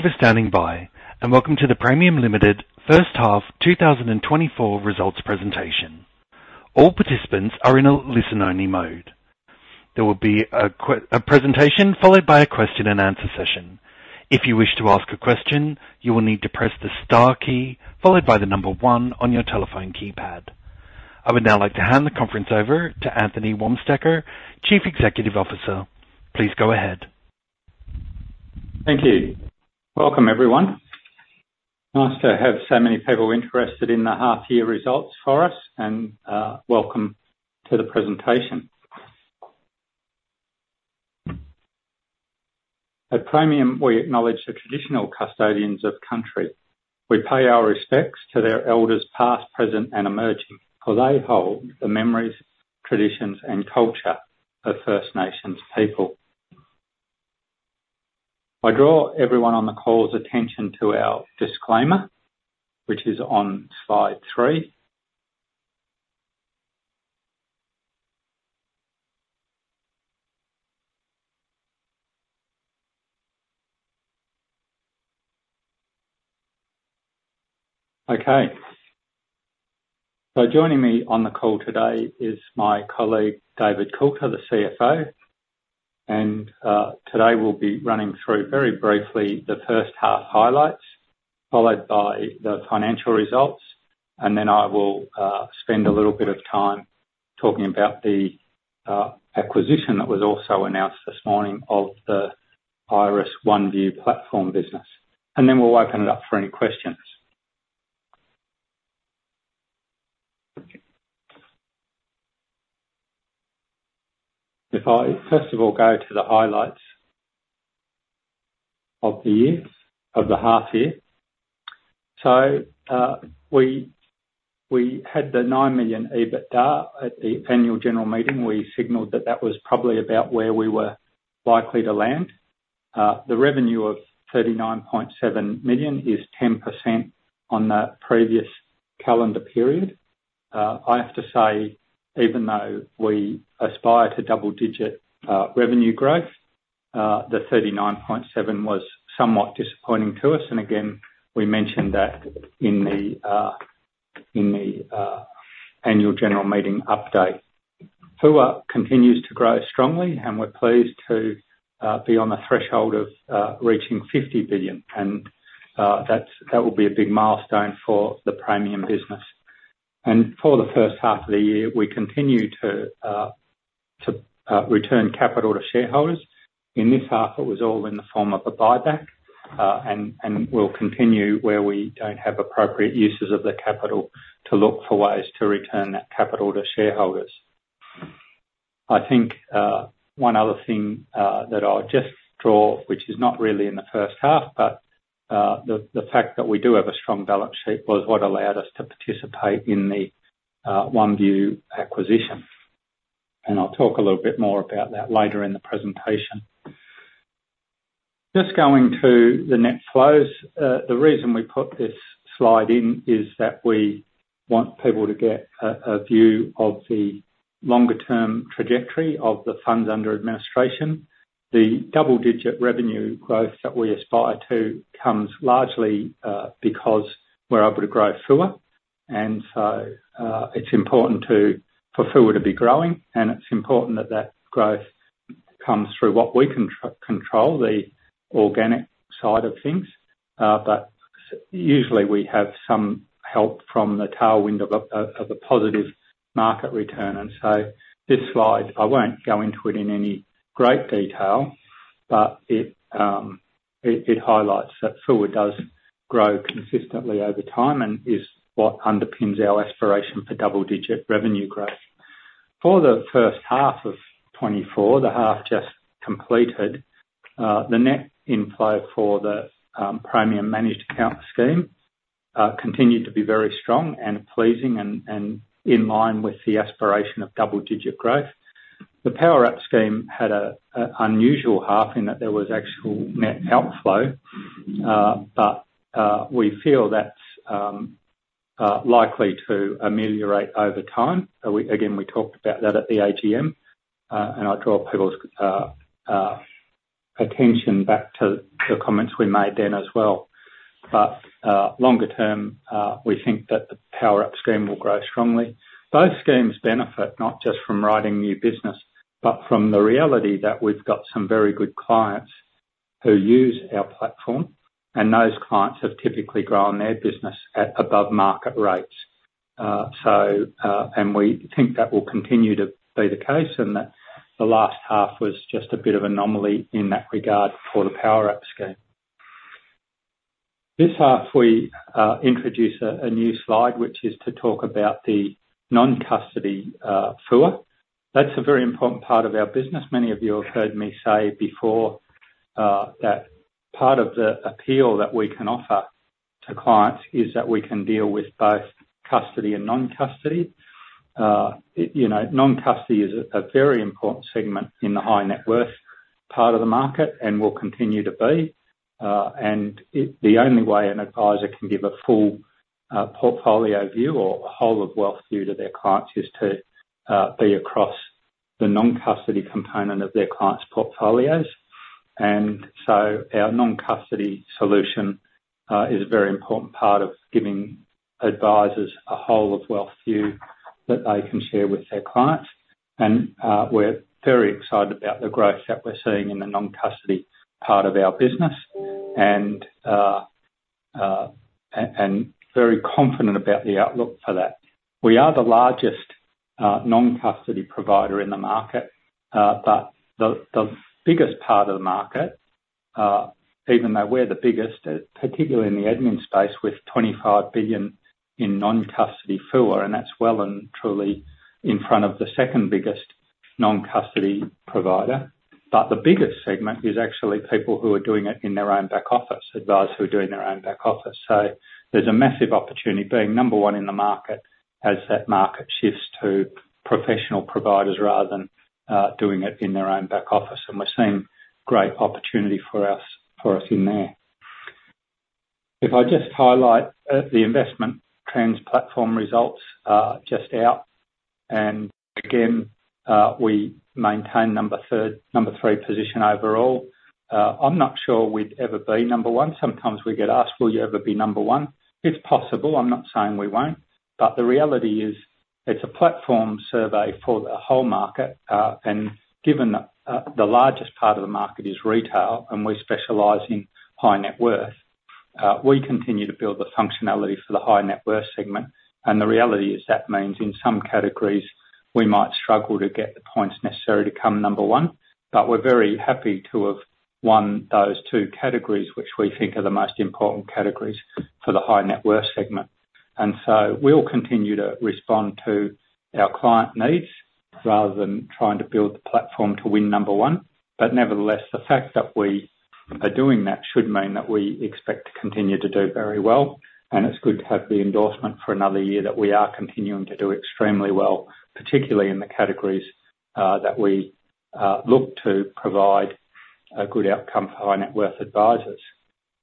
for standing by, and welcome to the Praemium Limited First Half, 2024 Results presentation. All participants are in a listen-only mode. There will be a presentation, followed by a question and answer session. If you wish to ask a question, you will need to press the star key, followed by the number one on your telephone keypad. I would now like to hand the conference over to Anthony Wamsteker, Chief Executive Officer. Please go ahead. Thank you. Welcome, everyone. Nice to have so many people interested in the half year results for us, and welcome to the presentation. At Praemium, we acknowledge the traditional custodians of country. We pay our respects to their elders, past, present, and emerging, for they hold the memories, traditions, and culture of First Nations people. I draw everyone on the call's attention to our disclaimer, which is on slide three. Okay. So joining me on the call today is my colleague, David Coulter, the CFO, and today we'll be running through, very briefly, the first half highlights, followed by the financial results, and then I will spend a little bit of time talking about the acquisition that was also announced this morning of the Iress OneVue Platform business, and then we'll open it up for any questions. If I, first of all, go to the highlights of the year, of the half year. So, we had the 9 million EBITDA at the Annual General Meeting. We signaled that that was probably about where we were likely to land. The revenue of 39.7 million is 10% on the previous calendar period. I have to say, even though we aspire to double-digit revenue growth, the 39.7 was somewhat disappointing to us, and again, we mentioned that in the Annual General Meeting update. FUA continues to grow strongly, and we're pleased to be on the threshold of reaching 50 billion and that's that will be a big milestone for the Praemium business. And for the first half of the year, we continue to return capital to shareholders. In this half, it was all in the form of a buyback, and we'll continue where we don't have appropriate uses of the capital to look for ways to return that capital to shareholders. I think, one other thing, that I'll just draw, which is not really in the first half, but, the fact that we do have a strong balance sheet, was what allowed us to participate in the OneVue acquisition, and I'll talk a little bit more about that later in the presentation. Just going to the net flows, the reason we put this slide in, is that we want people to get a view of the longer term trajectory of the funds under administration. The double digit revenue growth that we aspire to comes largely, because we're able to grow FUA, and so, it's important for FUA to be growing, and it's important that that growth comes through what we control, the organic side of things. But usually, we have some help from the tailwind of a, of a positive market return, and so this slide, I won't go into it in any great detail, but it highlights that FUA does grow consistently over time, and is what underpins our aspiration for double digit revenue growth. For the first half of 2024, the half just completed, the net inflow for the Praemium Managed Accounts scheme continued to be very strong, and pleasing, and in line with the aspiration of double digit growth. The Powerwrap scheme had a unusual half, in that there was actual net outflow, but we feel that's likely to ameliorate over time. Again, we talked about that at the AGM, and I draw people's attention back to the comments we made then as well. But longer term, we think that the Powerwrap scheme will grow strongly. Both schemes benefit not just from writing new business, but from the reality that we've got some very good clients who use our platform, and those clients have typically grown their business at above market rates. So, and we think that will continue to be the case, and that the last half was just a bit of anomaly in that regard for the Powerwrap scheme. This half, we introduce a new slide, which is to talk about the non-custody FUA. That's a very important part of our business. Many of you have heard me say before that part of the appeal that we can offer to clients is that we can deal with both custody and non-custody. You know, non-custody is a very important segment in the high net worth part of the market, and will continue to be, and the only way an advisor can give a full portfolio view or whole of wealth view to their clients is to be across the non-custody component of their clients' portfolios. And so our non-custody solution is a very important part of giving advisors a whole of wealth view that they can share with their clients. We're very excited about the growth that we're seeing in the non-custody part of our business, and very confident about the outlook for that. We are the largest non-custody provider in the market, but the biggest part of the market, even though we're the biggest, particularly in the admin space, with 25 billion in non-custody FUA, and that's well and truly in front of the second biggest non-custody provider. But the biggest segment is actually people who are doing it in their own back office, advisors who are doing their own back office. So there's a massive opportunity being number one in the market, as that market shifts to professional providers rather than doing it in their own back office, and we're seeing great opportunity for us, for us in there. If I just highlight the Investment Trends platform results are just out, and again, we maintain number three position overall. I'm not sure we'd ever be number one. Sometimes we get asked: "Will you ever be number one?" It's possible, I'm not saying we won't, but the reality is, it's a platform survey for the whole market. And given that, the largest part of the market is retail, and we specialize in high net worth, we continue to build the functionality for the high net worth segment, and the reality is, that means in some categories, we might struggle to get the points necessary to come number one, but we're very happy to have won those two categories, which we think are the most important categories for the high net worth segment. And so we'll continue to respond to our client needs, rather than trying to build the platform to win number one. But nevertheless, the fact that we are doing that should mean that we expect to continue to do very well, and it's good to have the endorsement for another year, that we are continuing to do extremely well, particularly in the categories that we look to provide a good outcome for high net worth advisors.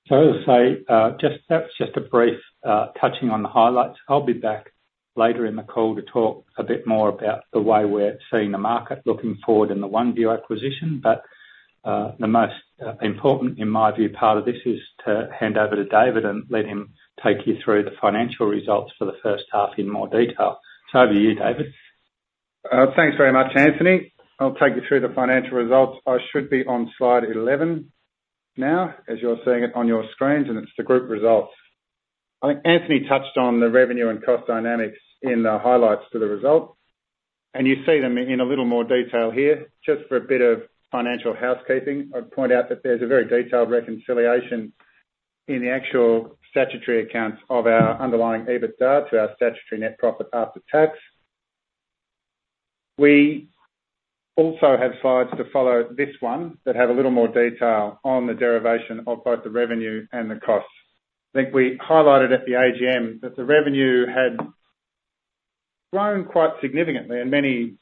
So as I say, just, that's just a brief touching on the highlights. I'll be back later in the call to talk a bit more about the way we're seeing the market looking forward in the OneVue acquisition. The most important, in my view, part of this is to hand over to David and let him take you through the financial results for the first half in more detail. Over to you, David. Thanks very much, Anthony. I'll take you through the financial results. I should be on slide 11 now, as you're seeing it on your screens, and it's the group results. I think Anthony touched on the revenue and cost dynamics in the highlights to the results, and you see them in a little more detail here. Just for a bit of financial housekeeping, I'd point out that there's a very detailed reconciliation in the actual statutory accounts of our underlying EBITDA to our statutory net profit after tax. We also have slides to follow this one, that have a little more detail on the derivation of both the revenue and the costs. I think we highlighted at the AGM, that the revenue had grown quite significantly, and many,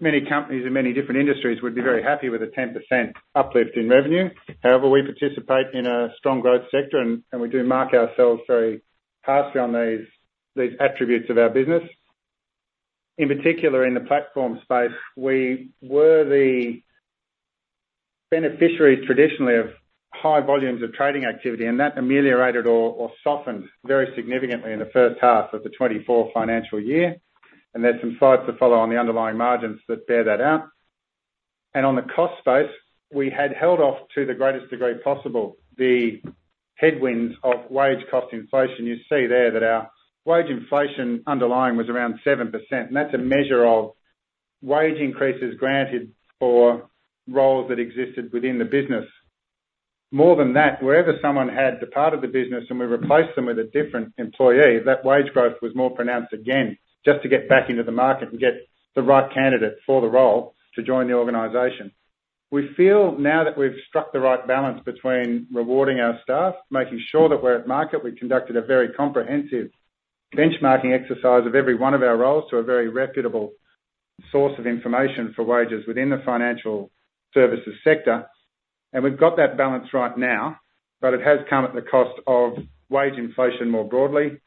many companies in many different industries would be very happy with a 10% uplift in revenue. However, we participate in a strong growth sector, and we do mark ourselves very harshly on these attributes of our business. In particular, in the platform space, we were the beneficiaries, traditionally, of high volumes of trading activity, and that ameliorated or softened very significantly in the first half of the 2024 financial year. There's some slides that follow on the underlying margins that bear that out. On the cost base, we had held off, to the greatest degree possible, the headwinds of wage cost inflation. You see there that our wage inflation underlying was around 7%, and that's a measure of wage increases granted for roles that existed within the business. More than that, wherever someone had departed the business, and we replaced them with a different employee, that wage growth was more pronounced again, just to get back into the market and get the right candidate for the role to join the organization. We feel now that we've struck the right balance between rewarding our staff, making sure that we're at market. We've conducted a very comprehensive benchmarking exercise of every one of our roles to a very reputable source of information for wages within the financial services sector, and we've got that balance right now, but it has come at the cost of wage inflation more broadly.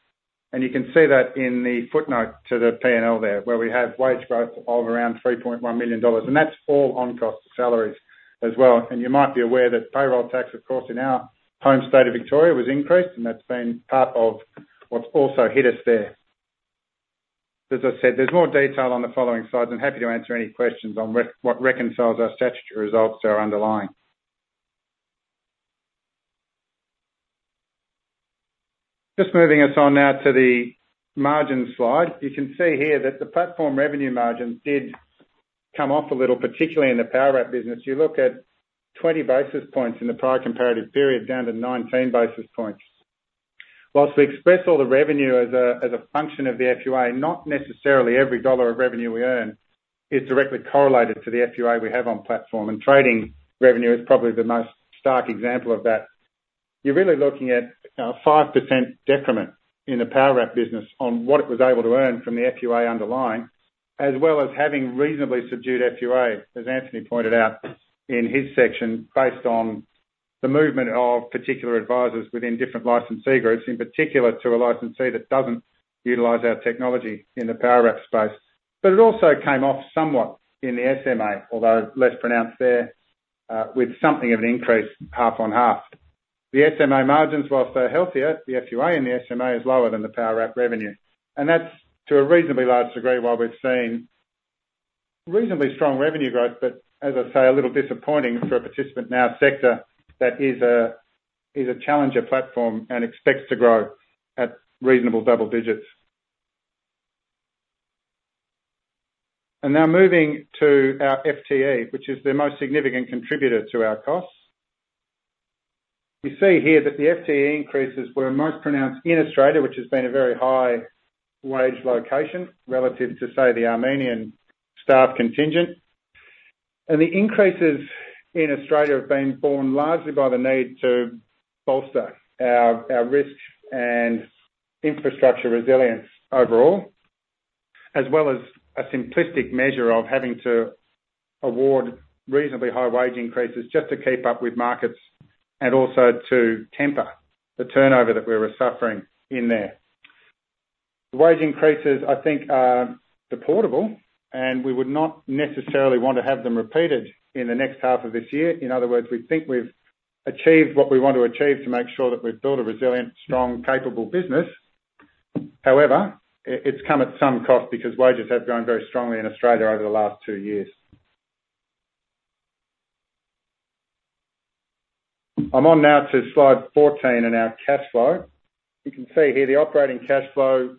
You can see that in the footnote to the P&L there, where we have wage growth of around 3.1 million dollars, and that's all on-cost salaries as well. You might be aware that payroll tax, of course, in our home state of Victoria, was increased, and that's been part of what's also hit us there. As I said, there's more detail on the following slides. I'm happy to answer any questions on what reconciles our statutory results to underlying. Just moving us on now to the margin slide. You can see here that the platform revenue margins did come off a little, particularly in the Powerwrap business. You look at 20 basis points in the prior comparative period, down to 19 basis points. While we express all the revenue as a function of the FUA, not necessarily every dollar of revenue we earn is directly correlated to the FUA we have on platform, and trading revenue is probably the most stark example of that. You're really looking at 5% decrement in the Powerwrap business on what it was able to earn from the FUA underlying, as well as having reasonably subdued FUA, as Anthony pointed out in his section, based on the movement of particular advisors within different licensee groups, in particular, to a licensee that doesn't utilize our technology in the Powerwrap space. But it also came off somewhat in the SMA, although less pronounced there, with something of an increase half on half. The SMA margins, whilst they're healthier, the FUA and the SMA is lower than the Powerwrap revenue, and that's to a reasonably large degree, while we've seen reasonably strong revenue growth, but as I say, a little disappointing for a participant in our sector that is a, is a challenger platform and expects to grow at reasonable double digits. Now moving to our FTE, which is the most significant contributor to our costs. We see here that the FTE increases were most pronounced in Australia, which has been a very high wage location, relative to, say, the Armenian staff contingent. And the increases in Australia have been borne largely by the need to bolster our risk and infrastructure resilience overall, as well as a simplistic measure of having to award reasonably high wage increases just to keep up with markets, and also to temper the turnover that we were suffering in there. The wage increases, I think, are deplorable, and we would not necessarily want to have them repeated in the next half of this year. In other words, we think we've achieved what we want to achieve to make sure that we've built a resilient, strong, capable business. However, it's come at some cost because wages have grown very strongly in Australia over the last two years. I'm on now to slide 14 in our cash flow. You can see here, the operating cash flow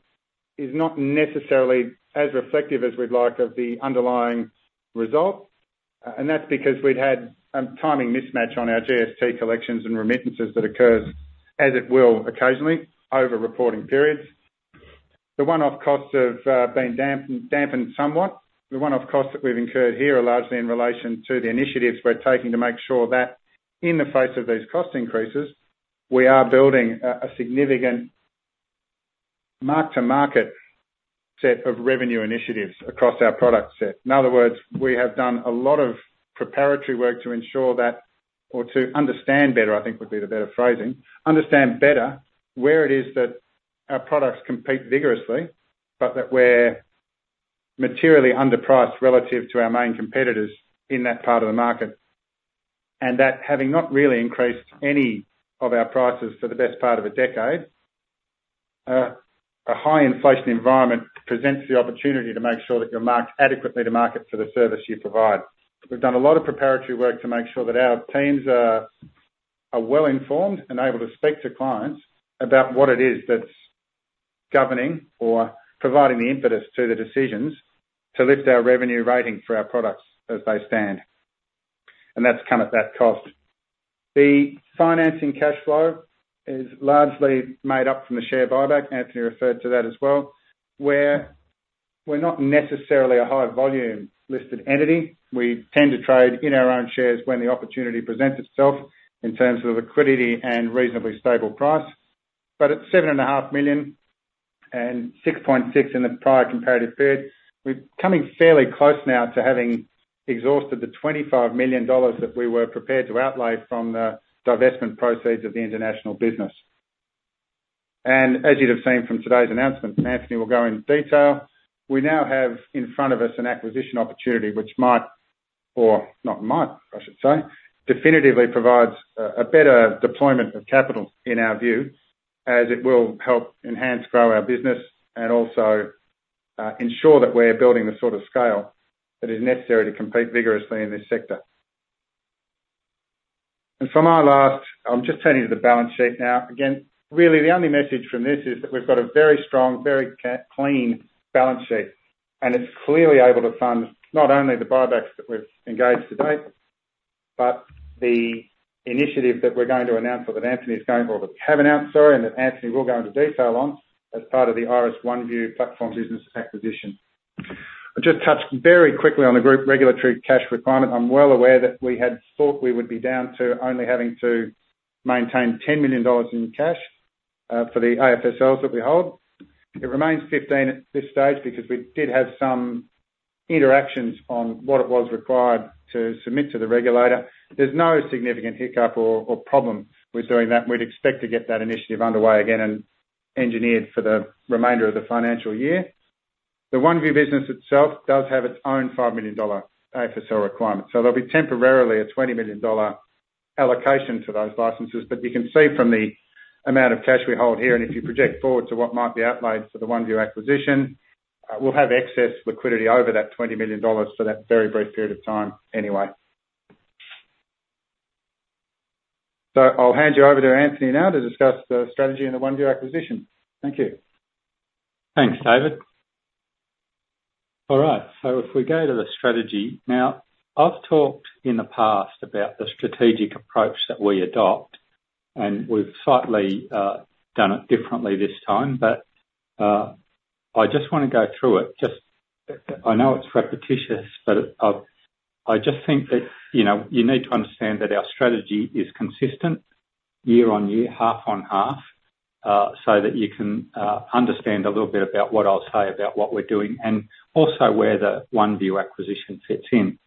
is not necessarily as reflective as we'd like of the underlying result, and that's because we'd had a timing mismatch on our GST collections and remittances that occurs, as it will occasionally, over reporting periods. The one-off costs have been dampened somewhat. The one-off costs that we've incurred here are largely in relation to the initiatives we're taking to make sure that in the face of these cost increases, we are building a significant mark-to-market set of revenue initiatives across our product set. In other words, we have done a lot of preparatory work to ensure that, or to understand better, I think, would be the better phrasing. Understand better where it is that our products compete vigorously, but that we're materially underpriced relative to our main competitors in that part of the market. And that having not really increased any of our prices for the best part of a decade, a high inflation environment presents the opportunity to make sure that you're marked adequately to market for the service you provide. We've done a lot of preparatory work to make sure that our teams are well-informed and able to speak to clients about what it is that's governing or providing the impetus to the decisions to lift our revenue rating for our products as they stand, and that's come at that cost. The financing cash flow is largely made up from the share buyback, Anthony referred to that as well, where we're not necessarily a high volume listed entity. We tend to trade in our own shares when the opportunity presents itself, in terms of liquidity and reasonably stable price. But at 7.5 million and 6.6 million in the prior comparative period, we're coming fairly close now to having exhausted the 25 million dollars that we were prepared to outlay from the divestment proceeds of the international business. And as you'd have seen from today's announcement, and Anthony will go into detail, we now have in front of us an acquisition opportunity which might, or not might, I should say, definitively provides a better deployment of capital in our view, as it will help enhance, grow our business, and also ensure that we're building the sort of scale that is necessary to compete vigorously in this sector. And from our last... I'll just turn you to the balance sheet now. Again, really, the only message from this is that we've got a very strong, very clean balance sheet, and it's clearly able to fund not only the buybacks that we've engaged to date, but the initiative that we're going to announce, or that Anthony is going, or that we have announced, sorry, and that Anthony will go into detail on, as part of the Iress OneVue platform business acquisition. I'll just touch very quickly on the group regulatory cash requirement. I'm well aware that we had thought we would be down to only having to maintain 10 million dollars in cash, for the AFSLs that we hold. It remains 15 million at this stage, because we did have some interactions on what it was required to submit to the regulator. There's no significant hiccup or problem with doing that, and we'd expect to get that initiative underway again and engineered for the remainder of the financial year. The OneVue business itself does have its own 5 million dollar AFSL requirement, so there'll be temporarily a 20 million dollar allocation for those licenses. But you can see from the amount of cash we hold here, and if you project forward to what might be outlaid for the OneVue acquisition, we'll have excess liquidity over that 20 million dollars for that very brief period of time anyway. So I'll hand you over to Anthony now to discuss the strategy and the OneVue acquisition. Thank you. Thanks, David. All right, so if we go to the strategy. Now, I've talked in the past about the strategic approach that we adopt, and we've slightly done it differently this time, but I just wanna go through it. Just, I know it's repetitious, but I, I just think that, you know, you need to understand that our strategy is consistent... year on year, half on half, so that you can understand a little bit about what I'll say about what we're doing, and also where the OneVue acquisition fits in.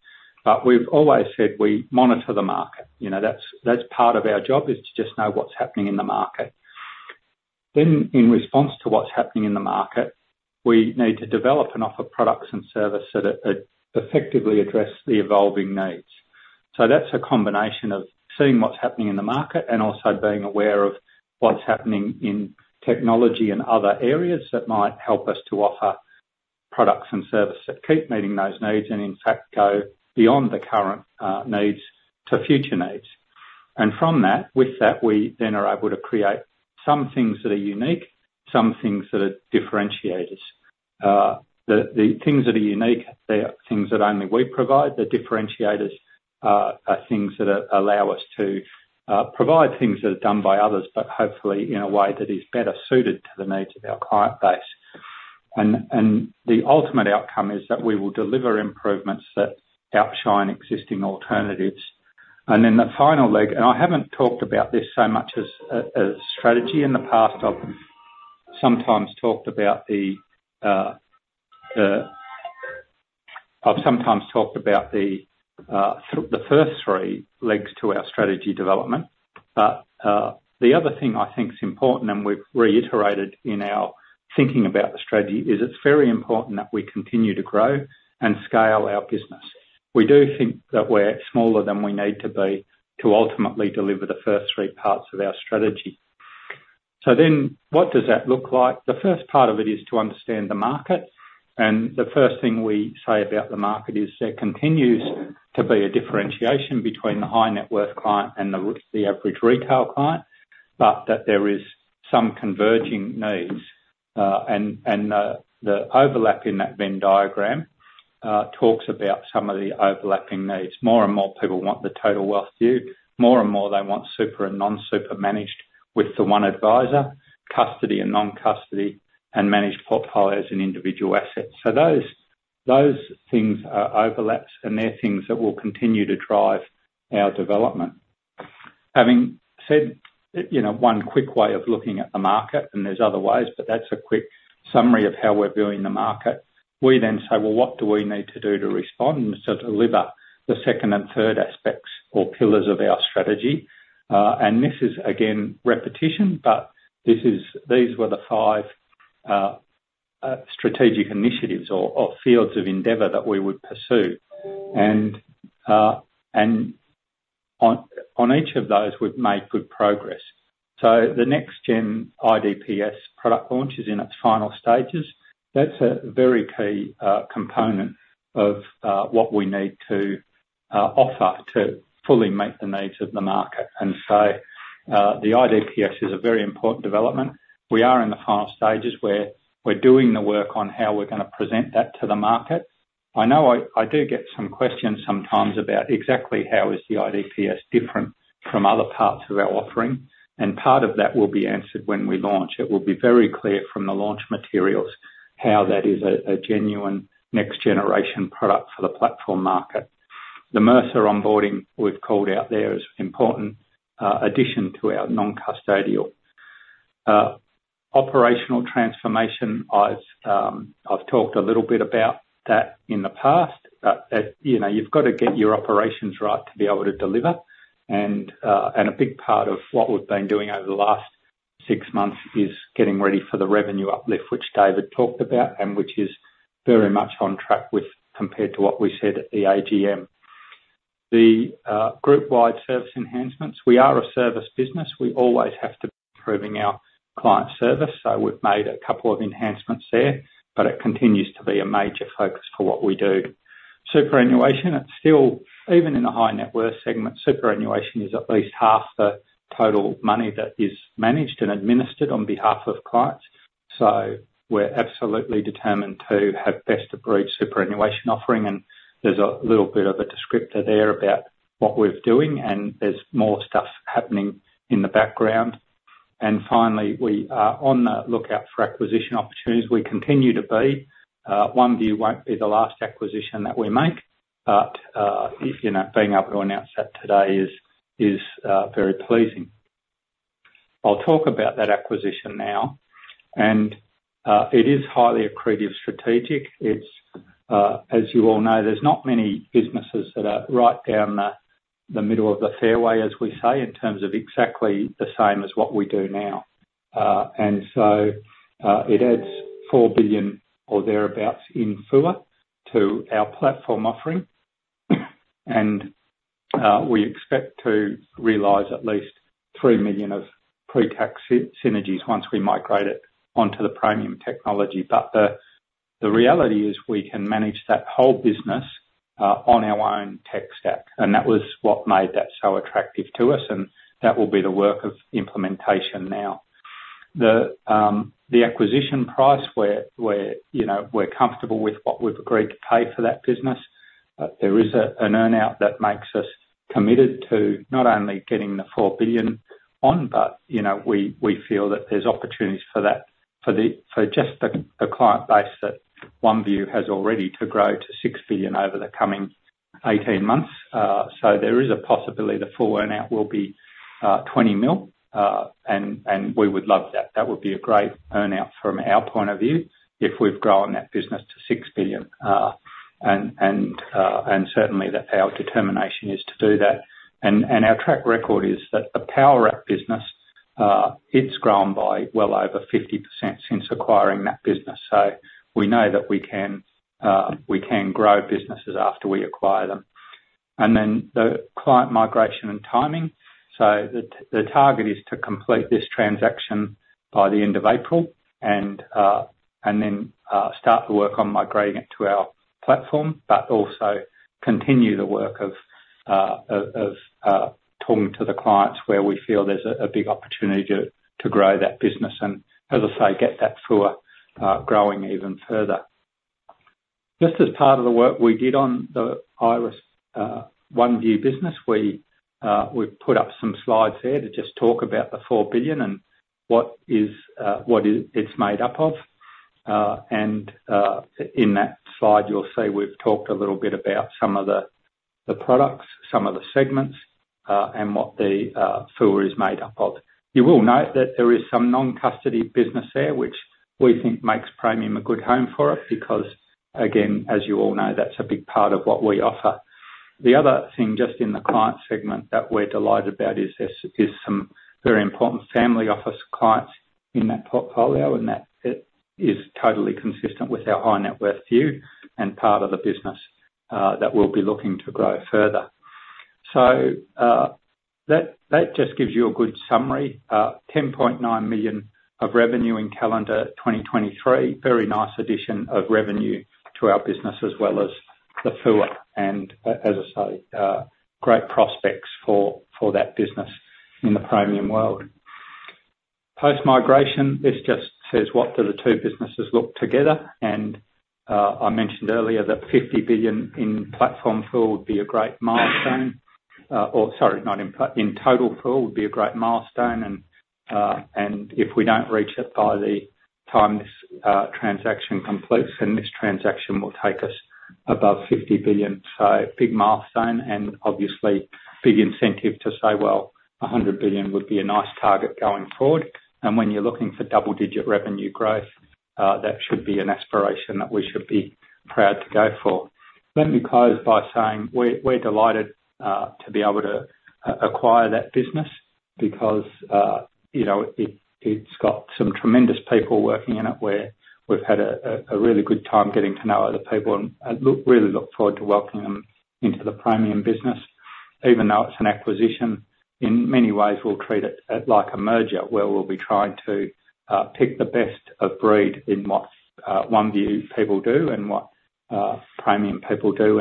But we've always said we monitor the market. You know, that's, that's part of our job, is to just know what's happening in the market. Then, in response to what's happening in the market, we need to develop and offer products and services that, that effectively address the evolving needs. So that's a combination of seeing what's happening in the market, and also being aware of what's happening in technology and other areas that might help us to offer products and services that keep meeting those needs, and in fact, go beyond the current needs to future needs. And from that, with that, we then are able to create some things that are unique, some things that are differentiators. The things that are unique, they are things that only we provide. The differentiators are things that allow us to provide things that are done by others, but hopefully in a way that is better suited to the needs of our client base. The ultimate outcome is that we will deliver improvements that outshine existing alternatives. And then the final leg, and I haven't talked about this so much as a strategy in the past. I've sometimes talked about the first three legs to our strategy development, but the other thing I think is important, and we've reiterated in our thinking about the strategy, is it's very important that we continue to grow and scale our business. We do think that we're smaller than we need to be to ultimately deliver the first three parts of our strategy. So then, what does that look like? The first part of it is to understand the market, and the first thing we say about the market is there continues to be a differentiation between the high net worth client and the average retail client, but that there is some converging needs. And the overlap in that Venn diagram talks about some of the overlapping needs. More and more people want the total wealth view. More and more they want super and non-super managed with the one advisor, custody and non-custody, and managed portfolios and individual assets. So those things are overlaps, and they're things that will continue to drive our development. Having said, you know, one quick way of looking at the market, and there's other ways, but that's a quick summary of how we're viewing the market. We then say, "Well, what do we need to do to respond?" So to deliver the second and third aspects or pillars of our strategy, and this is again repetition, but these were the five strategic initiatives or fields of endeavor that we would pursue. And on each of those, we've made good progress. So the Next Gen IDPS product launch is in its final stages. That's a very key component of what we need to offer to fully meet the needs of the market. And so, the IDPS is a very important development. We are in the final stages, where we're doing the work on how we're gonna present that to the market. I know I do get some questions sometimes about exactly how is the IDPS different from other parts of our offering, and part of that will be answered when we launch. It will be very clear from the launch materials how that is a genuine next generation product for the platform market. The Mercer onboarding we've called out there is important addition to our non-custodial. Operational transformation, I've talked a little bit about that in the past, you know, you've got to get your operations right to be able to deliver, and a big part of what we've been doing over the last six months is getting ready for the revenue uplift, which David talked about, and which is very much on track compared to what we said at the AGM. The group-wide service enhancements, we are a service business, we always have to be improving our client service, so we've made a couple of enhancements there, but it continues to be a major focus for what we do. Superannuation, it's still even in the high-net-worth segment, superannuation is at least half the total money that is managed and administered on behalf of clients. So we're absolutely determined to have best of breed superannuation offering, and there's a little bit of a descriptor there about what we're doing, and there's more stuff happening in the background. And finally, we are on the lookout for acquisition opportunities. We continue to be, OneVue won't be the last acquisition that we make, but, you know, being able to announce that today is very pleasing. I'll talk about that acquisition now, and it is highly accretive strategic. It's, as you all know, there's not many businesses that are right down the middle of the fairway, as we say, in terms of exactly the same as what we do now. It adds 4 billion or thereabouts in FUA to our platform offering, and we expect to realize at least 3 million of pre-tax synergies once we migrate it onto the Praemium technology. But the reality is we can manage that whole business on our own tech stack, and that was what made that so attractive to us, and that will be the work of implementation now. The acquisition price we're, you know, we're comfortable with what we've agreed to pay for that business, but there is an earn-out that makes us committed to not only getting the 4 billion on, but, you know, we feel that there's opportunities for that, for just the client base that OneVue has already to grow to 6 billion over the coming-... 18 months, so there is a possibility the full earn-out will be 20 million. And we would love that. That would be a great earn-out from our point of view, if we've grown that business to 6 billion, and certainly that our determination is to do that. And our track record is that the Powerwrap business, it's grown by well over 50% since acquiring that business. So we know that we can, we can grow businesses after we acquire them. And then the client migration and timing, so the target is to complete this transaction by the end of April, and then start to work on migrating it to our platform, but also continue the work of talking to the clients where we feel there's a big opportunity to grow that business, and as I say, get that FUA growing even further. Just as part of the work we did on the Iress OneVue business, we've put up some slides there to just talk about the 4 billion and what it is made up of. And in that slide, you'll see we've talked a little bit about some of the products, some of the segments, and what the FUA is made up of. You will note that there is some non-custody business there, which we think makes Praemium a good home for it, because again, as you all know, that's a big part of what we offer. The other thing, just in the client segment that we're delighted about, is there's some very important family office clients in that portfolio, and that it is totally consistent with our high net worth view, and part of the business that we'll be looking to grow further. So, that just gives you a good summary, 10.9 million of revenue in calendar 2023. Very nice addition of revenue to our business, as well as the FUA, and, as I say, great prospects for that business in the Praemium world. Post-migration, this just says, what do the two businesses look together? I mentioned earlier that 50 billion in platform FUA would be a great milestone, or sorry, not in platform, in total FUA would be a great milestone, and if we don't reach it by the time this transaction completes, then this transaction will take us above 50 billion. So, big milestone, and obviously big incentive to say, "Well, 100 billion would be a nice target going forward." And when you're looking for double-digit revenue growth, that should be an aspiration that we should be proud to go for. Let me close by saying, we're delighted to be able to acquire that business because, you know, it's got some tremendous people working in it, where we've had a really good time getting to know all the people, and really look forward to welcoming them into the Praemium business. Even though it's an acquisition, in many ways, we'll treat it as like a merger, where we'll be trying to pick the best of breed in what OneVue people do and what Praemium people do.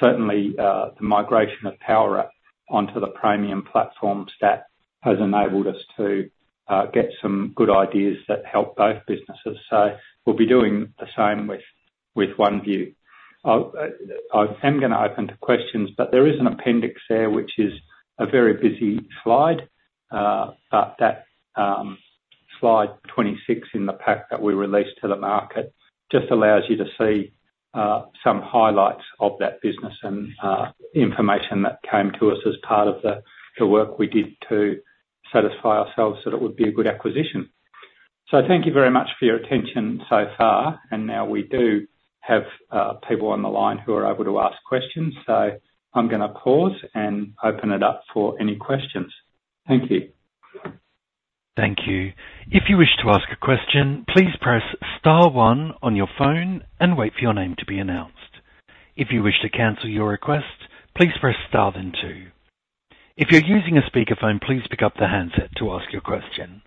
And certainly, the migration of Powerwrap onto the Praemium platforms, that has enabled us to get some good ideas that help both businesses, so we'll be doing the same with OneVue. I am gonna open to questions, but there is an appendix there, which is a very busy slide, but that, slide 26 in the pack that we released to the market, just allows you to see, some highlights of that business, and, information that came to us as part of the work we did to satisfy ourselves that it would be a good acquisition. So thank you very much for your attention so far, and now we do have, people on the line who are able to ask questions, so I'm gonna pause and open it up for any questions. Thank you. Thank you. If you wish to ask a question, please press star one on your phone and wait for your name to be announced. If you wish to cancel your request, please press star then two. If you're using a speakerphone, please pick up the handset to ask your question.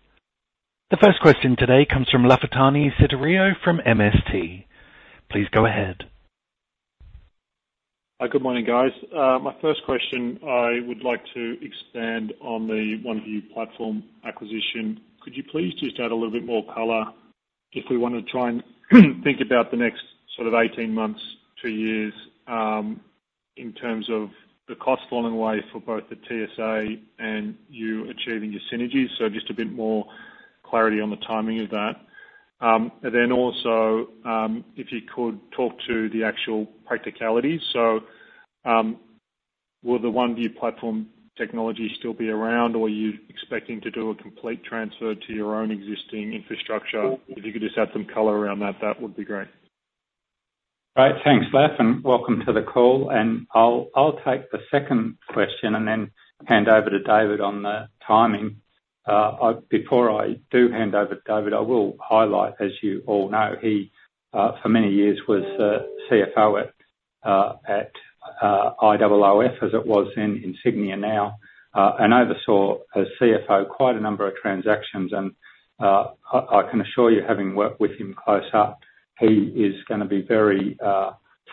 The first question today comes from Lafitani Sotiriou from MST. Please go ahead. Good morning, guys. My first question, I would like to expand on the OneVue platform acquisition. Could you please just add a little bit more color, if we want to try and think about the next sort of 18 months, two years, in terms of the costs falling away for both the TSA and you achieving your synergies? So just a bit more clarity on the timing of that. And then also, if you could talk to the actual practicalities. So, will the OneVue platform technology still be around, or are you expecting to do a complete transfer to your own existing infrastructure? If you could just add some color around that, that would be great. Great. Thanks, Laf, and welcome to the call, and I'll take the second question and then hand over to David on the timing. I—before I do hand over to David, I will highlight, as you all know, he for many years was CFO at IOOF, as it was, now Insignia, and oversaw as CFO quite a number of transactions, and I can assure you, having worked with him close up, he is gonna be very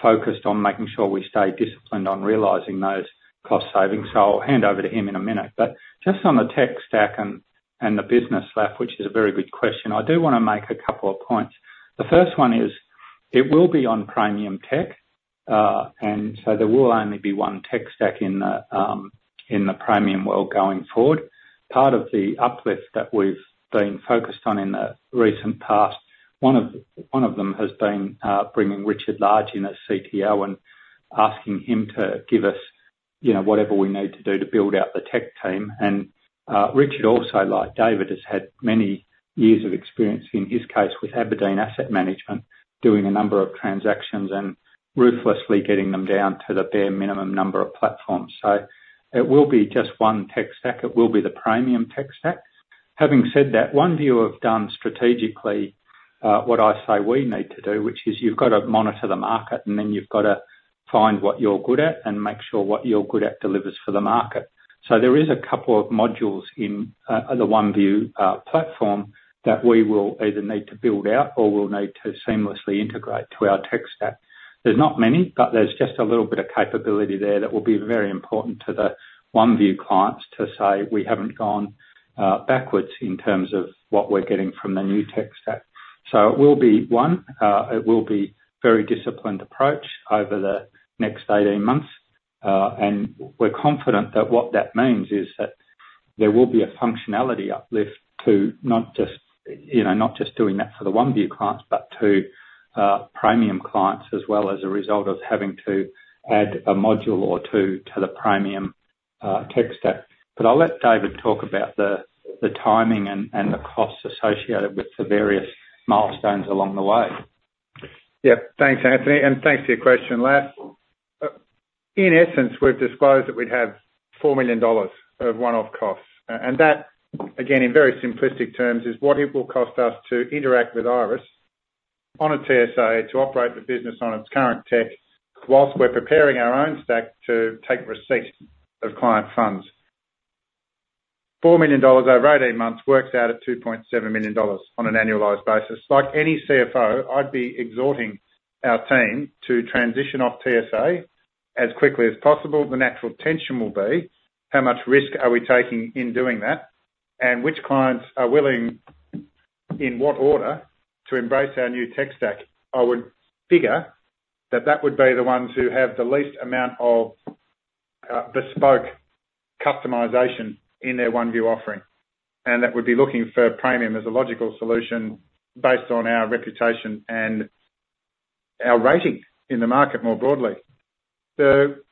focused on making sure we stay disciplined on realizing those cost savings. So I'll hand over to him in a minute. But just on the tech stack and the business, Laf, which is a very good question, I do wanna make a couple of points. The first one is, it will be on Praemium tech, and so there will only be one tech stack in the, in the Praemium world going forward. Part of the uplift that we've been focused on in the recent past, one of, one of them has been, bringing Richard Large in as CTO, and asking him to give us you know, whatever we need to do to build out the tech team. And, Richard also, like David, has had many years of experience, in his case, with Aberdeen Asset Management, doing a number of transactions and ruthlessly getting them down to the bare minimum number of platforms. So it will be just one tech stack, it will be the Praemium tech stack. Having said that, OneVue have done strategically what I say we need to do, which is you've got to monitor the market, and then you've got to find what you're good at, and make sure what you're good at delivers for the market. So there is a couple of modules in the OneVue platform that we will either need to build out or will need to seamlessly integrate to our tech stack. There's not many, but there's just a little bit of capability there that will be very important to the OneVue clients to say we haven't gone backwards in terms of what we're getting from the new tech stack. So it will be very disciplined approach over the next 18 months, and we're confident that what that means is that there will be a functionality uplift to not just, you know, not just doing that for the OneVue clients, but to Praemium clients as well, as a result of having to add a module or two to the Praemium tech stack. But I'll let David talk about the timing and the costs associated with the various milestones along the way. Yeah, thanks, Anthony, and thanks for your question, Laf. In essence, we've disclosed that we'd have 4 million dollars of one-off costs, and that, again, in very simplistic terms, is what it will cost us to interact with Iress on a TSA, to operate the business on its current tech, while we're preparing our own stack to take receipt of client funds. 4 million dollars over 18 months, works out at 2.7 million dollars on an annualized basis. Like any CFO, I'd be exhorting our team to transition off TSA as quickly as possible. The natural tension will be, how much risk are we taking in doing that? And which clients are willing, in what order, to embrace our new tech stack? I would figure that that would be the ones who have the least amount of bespoke customization in their OneVue offering, and that would be looking for Praemium as a logical solution, based on our reputation and our rating in the market more broadly. The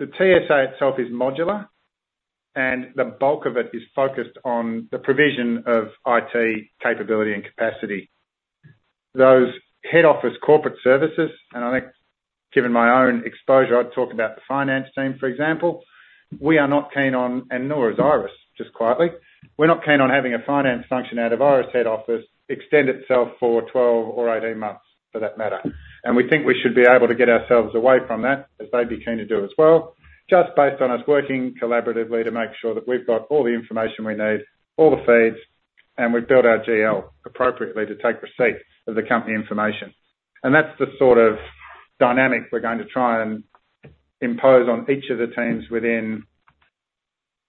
TSA itself is modular, and the bulk of it is focused on the provision of IT capability and capacity. Those head office corporate services, and I think given my own exposure, I'd talk about the finance team, for example. We are not keen on, and nor is Iress, just quietly, we're not keen on having a finance function out of Iress head office extend itself for 12 or 18 months, for that matter. We think we should be able to get ourselves away from that, as they'd be keen to do as well, just based on us working collaboratively to make sure that we've got all the information we need, all the feeds, and we've built our GL appropriately to take receipt of the company information. That's the sort of dynamic we're going to try and impose on each of the teams within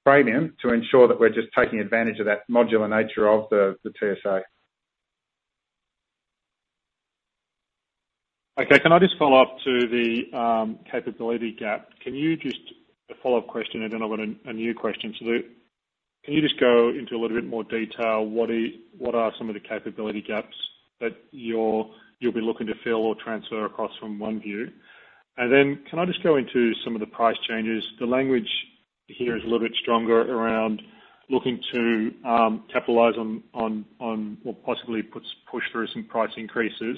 Praemium, to ensure that we're just taking advantage of that modular nature of the TSA. Okay. Can I just follow up to the capability gap? Can you just a follow-up question, and then I've got a new question. So can you just go into a little bit more detail, what are some of the capability gaps that you'll be looking to fill or transfer across from OneVue? And then can I just go into some of the price changes? The language here is a little bit stronger around looking to capitalize on, on, well, possibly push through some price increases.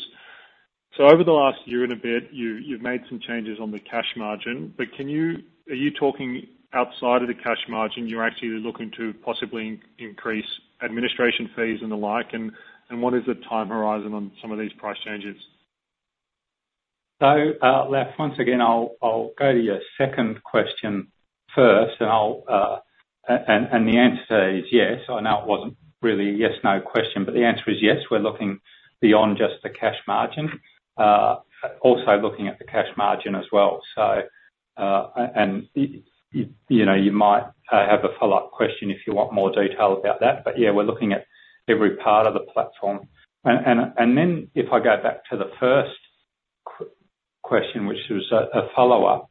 So over the last year and a bit, you've made some changes on the cash margin, but are you talking outside of the cash margin, you're actually looking to possibly increase administration fees and the like, and what is the time horizon on some of these price changes? So, Laf, once again, I'll go to your second question first, and the answer to that is yes. I know it wasn't really a yes, no question, but the answer is yes, we're looking beyond just the cash margin, also looking at the cash margin as well. So, you know, you might have a follow-up question if you want more detail about that, but yeah, we're looking at every part of the platform. And then if I go back to the first question, which was a follow-up,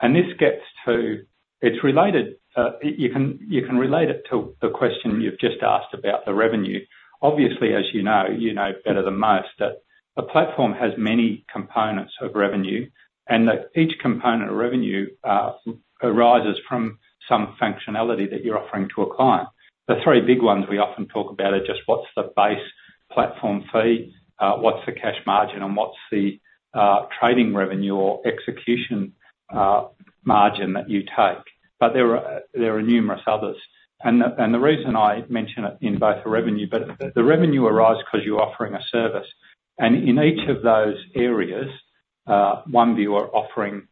and this gets to... It's related, you can relate it to the question you've just asked about the revenue. Obviously, as you know, you know better than most, that a platform has many components of revenue, and that each component of revenue arises from some functionality that you're offering to a client. The three big ones we often talk about are just: what's the base platform fee? What's the cash margin? And what's the trading revenue or execution margin that you take? But there are numerous others, and the reason I mention it in both the revenue, but the revenue arise because you're offering a service, and in each of those areas, OneVue are offering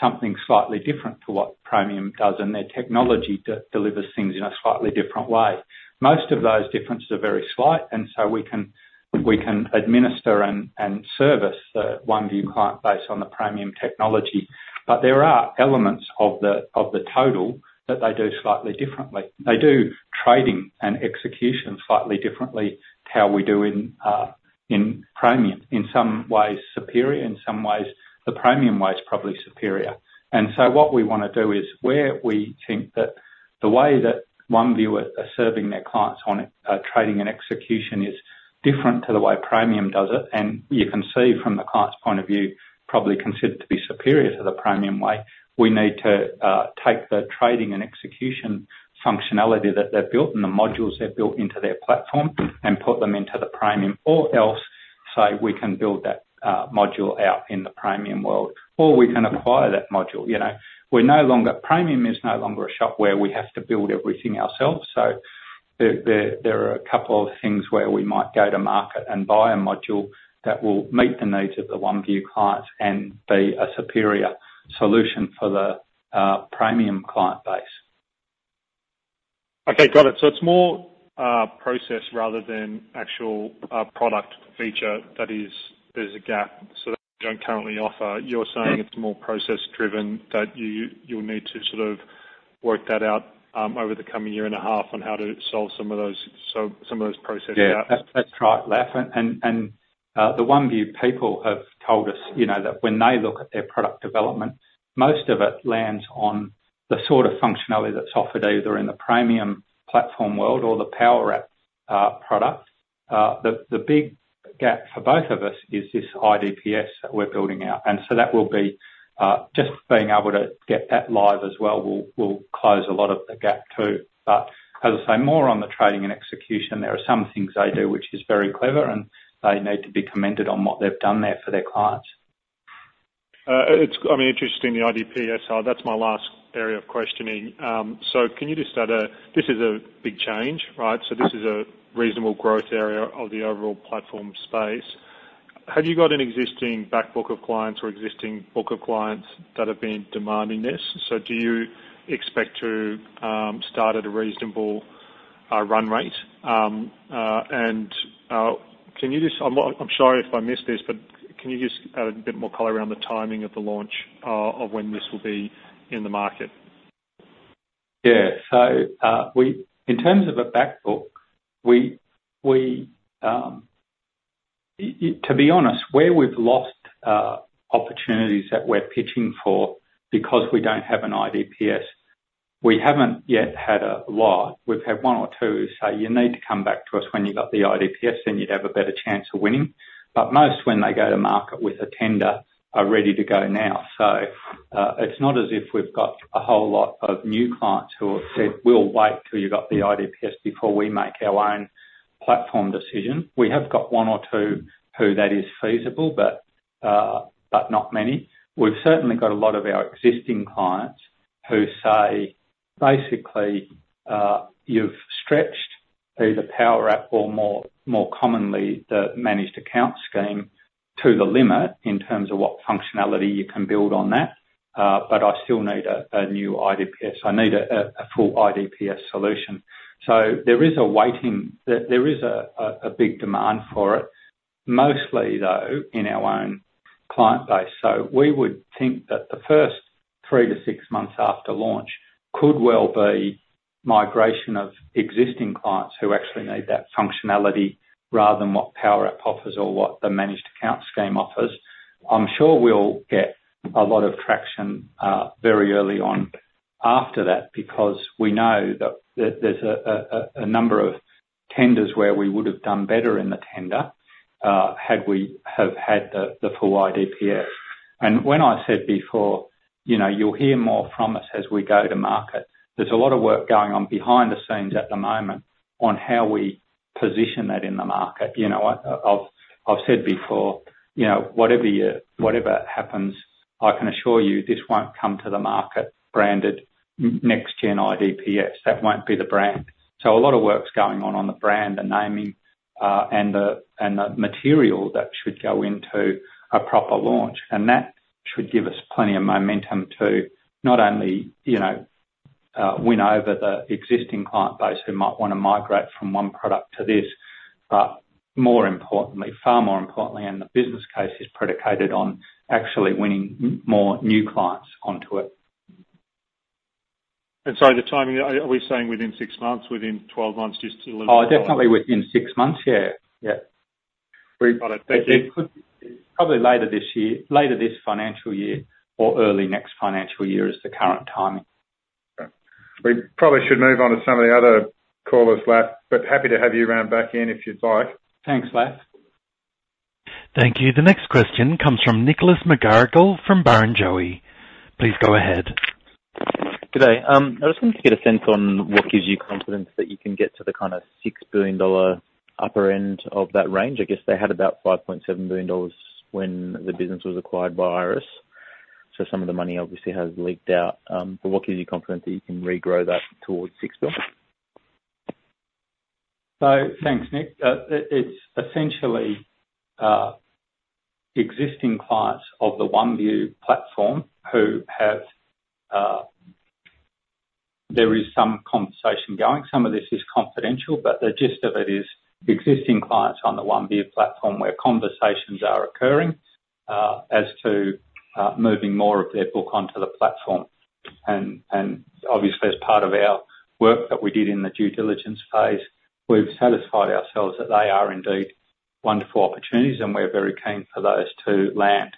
something slightly different to what Praemium does, and their technology delivers things in a slightly different way. Most of those differences are very slight, and so we can administer and service the OneVue client base on the Praemium technology, but there are elements of the total that they do slightly differently. They do trading and execution slightly differently to how we do in Praemium, in some ways superior, in some ways the Praemium way is probably superior. And so what we wanna do is, the way that OneVue are serving their clients on trading and execution is different to the way Praemium does it, and you can see from the client's point of view, probably considered to be superior to the Praemium way. We need to take the trading and execution functionality that they've built, and the modules they've built into their platform, and put them into the Praemium, or else say we can build that module out in the Praemium world, or we can acquire that module. You know, we're no longer, Praemium is no longer a shop where we have to build everything ourselves, so there are a couple of things where we might go to market and buy a module that will meet the needs of the OneVue clients, and be a superior solution for the Praemium client base. Okay, got it. So it's more, process rather than actual, product feature, that is, there's a gap, so don't currently offer. You're saying- Mm-hmm... it's more process driven, that you, you'll need to sort of work that out, over the coming year and a half on how to solve some of those, so some of those processing out? Yeah, that's right, Laf, and the OneVue people have told us, you know, that when they look at their product development, most of it lands on the sort of functionality that's offered either in the Praemium platform world or the Powerwrap product. The big gap for both of us is this IDPS that we're building out, and so that will be just being able to get that live as well, will close a lot of the gap, too. But as I say, more on the trading and execution, there are some things they do, which is very clever, and they need to be commended on what they've done there for their clients. It's, I mean, interesting, the IDPS, that's my last area of questioning. So can you just add a... This is a big change, right? Mm-hmm. So this is a reasonable growth area of the overall platform space. Have you got an existing back book of clients or existing book of clients that have been demanding this? So do you expect to start at a reasonable run rate? And can you just, I'm sorry if I missed this, but can you just add a bit more color around the timing of the launch of when this will be in the market? Yeah. So, in terms of a back book, to be honest, where we've lost opportunities that we're pitching for because we don't have an IDPS, we haven't yet had a lot. We've had one or two who say, "You need to come back to us when you've got the IDPS, then you'd have a better chance of winning." But most, when they go to market with a tender, are ready to go now. So, it's not as if we've got a whole lot of new clients who have said, "We'll wait till you've got the IDPS before we make our own platform decision." We have got one or two who that is feasible, but not many. We've certainly got a lot of our existing clients who say, basically, "You've stretched either Powerwrap or more, more commonly, the managed account scheme to the limit in terms of what functionality you can build on that, but I still need a new IDPS. I need a full IDPS solution." So there is a big demand for it, mostly, though, in our own client base. So we would think that the first 3-6 months after launch could well be migration of existing clients who actually need that functionality, rather than what Powerwrap offers or what the managed account scheme offers. I'm sure we'll get a lot of traction very early on after that, because we know that there's a number of tenders where we would've done better in the tender had we have had the full IDPS. And when I said before, you know, you'll hear more from us as we go to market, there's a lot of work going on behind the scenes at the moment, on how we position that in the market. You know, I've said before, you know, whatever year, whatever happens, I can assure you this won't come to the market branded Next Gen IDPS. That won't be the brand. So a lot of work's going on, on the brand, the naming, and the material that should go into a proper launch. That should give us plenty of momentum to not only, you know, win over the existing client base who might wanna migrate from one product to this, but more importantly, far more importantly, and the business case is predicated on actually winning more new clients onto it. The timing, are we saying within six months, within 12 months, just to- Oh, definitely within six months. Yeah, yeah. Got it. Thank you. Probably later this year, later this financial year, or early next financial year is the current timing. Okay. We probably should move on to some of the other callers, Laf, but happy to have you round back in, if you'd like. Thanks, Laf. Thank you. The next question comes from Nicholas McGarrigle, from Barrenjoey. Please go ahead. Good day. I was wanting to get a sense on what gives you confidence that you can get to the kind of 6 billion dollar upper end of that range. I guess they had about 5.7 billion dollars when the business was acquired by Iress, so some of the money obviously has leaked out. But what gives you confidence that you can regrow that towards 6 billion? So thanks, Nick. It's essentially existing clients of the OneVue platform, who have... There is some conversation going, some of this is confidential, but the gist of it is, existing clients on the OneVue platform, where conversations are occurring, as to moving more of their book onto the platform. And obviously, as part of our work that we did in the due diligence phase, we've satisfied ourselves that they are indeed wonderful opportunities, and we're very keen for those to land.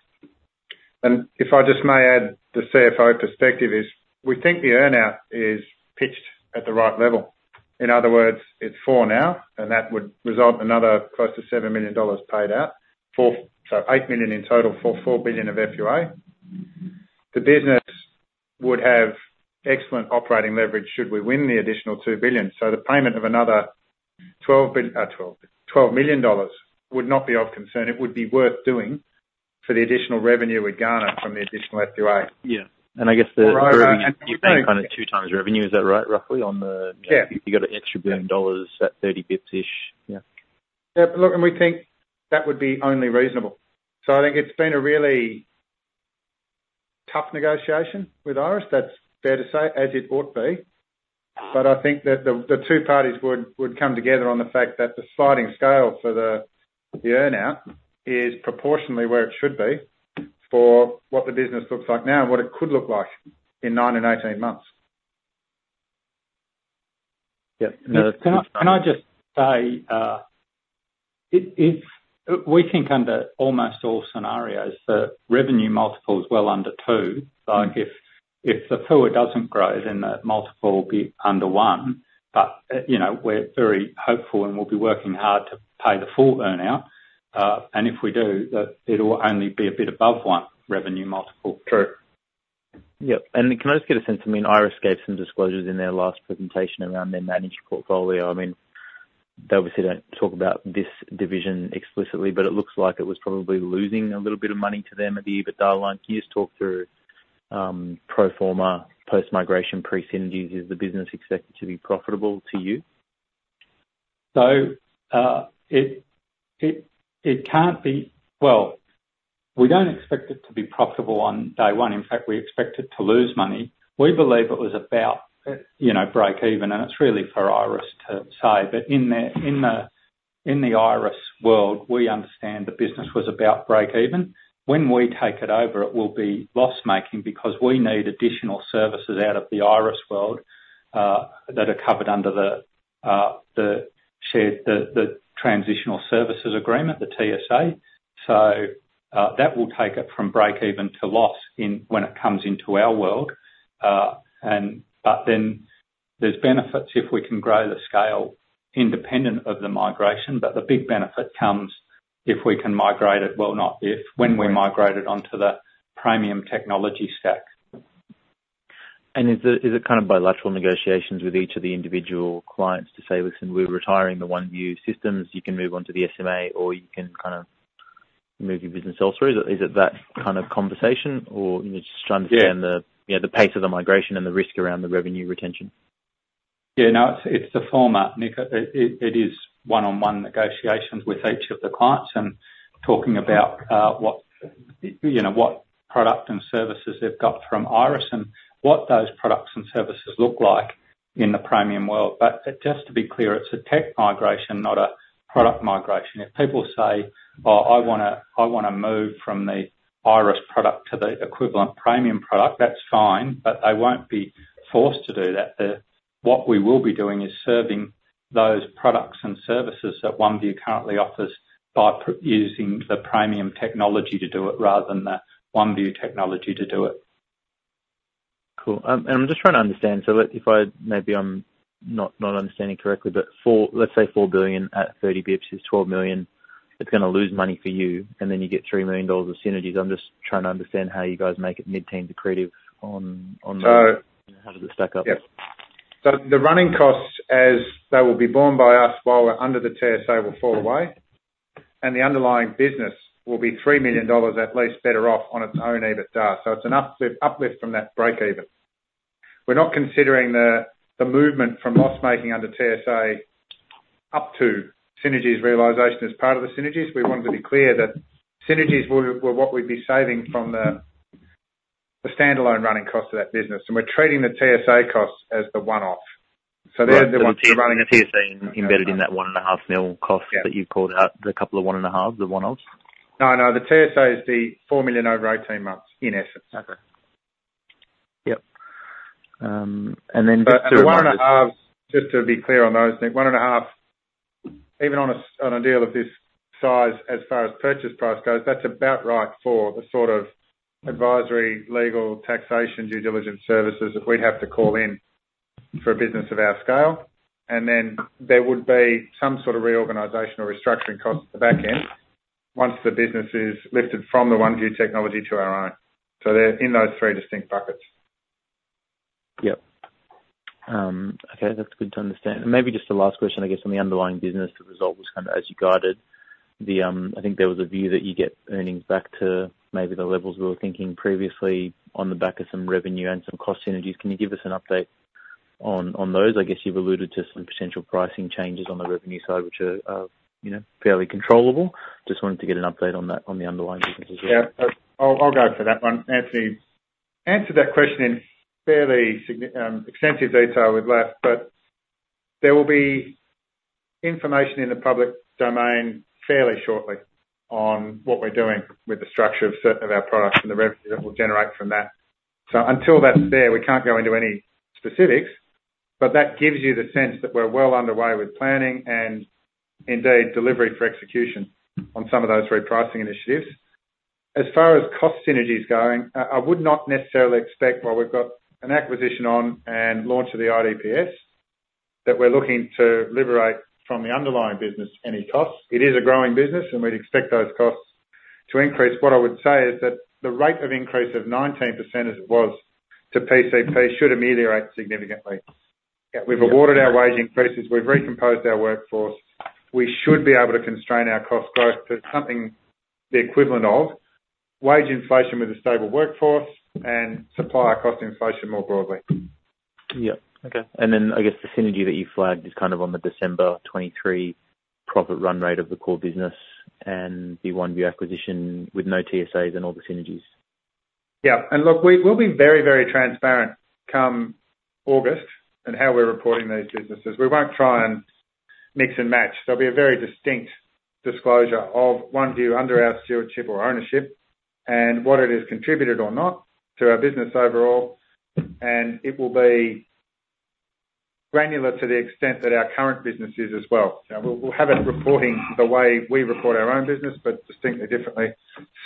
If I just may add, the CFO perspective is, we think the earn-out is pitched at the right level. In other words, it's 4 now, and that would result another close to 7 million dollars paid out. 4- so 8 million in total for 4 billion of FUA. The business would have excellent operating leverage, should we win the additional 2 billion. So the payment of another 12, 12 million dollars would not be of concern. It would be worth doing for the additional revenue we'd garner from the additional FUA. Yeah, and I guess the kind of 2x revenue, is that right, roughly, on the- Yeah. If you got an extra 1 billion dollars, that 30-bips ish? Yeah. Yeah, but look, and we think that would be only reasonable. So I think it's been a really tough negotiation with Iress, that's fair to say, as it ought to be. But I think that the two parties would come together on the fact that the sliding scale for the earn-out is proportionally where it should be for what the business looks like now and what it could look like in nine and 18 months. Yep. Can I just say, it's—we think under almost all scenarios, the revenue multiple is well under 2. So like if the pool doesn't grow, then the multiple will be under 1. But you know, we're very hopeful, and we'll be working hard to pay the full earn-out. And if we do, it'll only be a bit above 1 revenue multiple. True. Yep, and can I just get a sense? I mean, Iress gave some disclosures in their last presentation around their managed portfolio. I mean, they obviously don't talk about this division explicitly, but it looks like it was probably losing a little bit of money to them at the EBITDA line. Can you just talk through pro forma post-migration pre-synergies? Is the business expected to be profitable to you? So, it can't be... Well, we don't expect it to be profitable on day one. In fact, we expect it to lose money. We believe it was about, you know, break even, and it's really for Iress to say. But in the Iress world, we understand the business was about break even. When we take it over, it will be loss-making, because we need additional services out of the Iress world that are covered under the shared Transitional Services Agreement, the TSA. So, that will take it from break even to loss-making when it comes into our world. But then there's benefits if we can grow the scale independent of the migration, but the big benefit comes if we can migrate it, well, not if, when we migrate it onto the Praemium technology stack. Is it kind of bilateral negotiations with each of the individual clients to say, "Listen, we're retiring the OneVue systems, you can move on to the SMA, or you can kind of move your business elsewhere?" Is it that kind of conversation? Or just trying to understand- Yeah... you know, the pace of the migration and the risk around the revenue retention. Yeah, no, it's the former, Nick. It is one-on-one negotiations with each of the clients, and talking about what, you know, what product and services they've got from Iress, and what those products and services look like in the Praemium world. But just to be clear, it's a tech migration, not a product migration. If people say, "Oh, I wanna, I wanna move from the Iress product to the equivalent Praemium product," that's fine, but they won't be forced to do that. What we will be doing is serving those products and services that OneVue currently offers by using the Praemium technology to do it, rather than the OneVue technology to do it. Cool. I'm just trying to understand, so if I—maybe I'm not understanding correctly, but 4... let's say 4 billion at 30 bps is 12 million. It's gonna lose money for you, and then you get 3 million dollars of synergies. I'm just trying to understand how you guys make it mid-teens accretive on the- So- How does it stack up? Yep. So the running costs, as they will be borne by us while we're under the TSA, will fall away, and the underlying business will be 3 million dollars, at least, better off on its own EBITDA. So it's an uplift from that break even. We're not considering the movement from loss making under TSA up to synergies realization as part of the synergies. We wanted to be clear that synergies were what we'd be saving from the standalone running cost of that business, and we're treating the TSA costs as the one-off. So they're the ones we're running- The TSA embedded in that 1.5 million cost- Yeah -that you called out, the couple of 1.5, the one-offs? No, no, the TSA is the 4 million over 18 months, in essence. Okay. Yep, and then just to- The 1.5, just to be clear on those, Nick, 1.5, even on a deal of this size, as far as purchase price goes, that's about right for the sort of advisory, legal, taxation, due diligence services that we'd have to call in for a business of our scale. And then there would be some sort of reorganizational restructuring costs at the back end, once the business is lifted from the OneVue technology to our own. So they're in those three distinct buckets. Yep. Okay, that's good to understand. And maybe just a last question, I guess, on the underlying business, the result was kind of as you guided. I think there was a view that you get earnings back to maybe the levels we were thinking previously on the back of some revenue and some cost synergies. Can you give us an update on those? I guess you've alluded to some potential pricing changes on the revenue side, which are, are, you know, fairly controllable. Just wanted to get an update on that, on the underlying business as well. Yeah, I'll go for that one. Anthony answered that question in fairly significant, extensive detail with Laf, but there will be information in the public domain fairly shortly on what we're doing with the structure of certain of our products and the revenue that we'll generate from that. So until that's there, we can't go into any specifics. But that gives you the sense that we're well underway with planning and indeed delivery for execution on some of those repricing initiatives. As far as cost synergies going, I would not necessarily expect, while we've got an acquisition on and launch of the IDPS, that we're looking to liberate from the underlying business any costs. It is a growing business, and we'd expect those costs to increase. What I would say is that the rate of increase of 19% as it was, to PCP, should ameliorate significantly. Yeah, we've awarded our wage increases, we've recomposed our workforce, we should be able to constrain our cost growth to something the equivalent of wage inflation with a stable workforce and supplier cost inflation more broadly. Yeah. Okay, and then I guess the synergy that you flagged is kind of on the December 2023 profit run rate of the core business, and the OneVue acquisition with no TSAs and all the synergies. Yeah, and look, we'll be very, very transparent come August in how we're reporting those businesses. We won't try and mix and match. There'll be a very distinct disclosure of OneVue under our stewardship or ownership, and what it has contributed or not to our business overall, and it will be granular to the extent that our current business is as well. You know, we'll, we'll have it reporting the way we report our own business, but distinctly differently,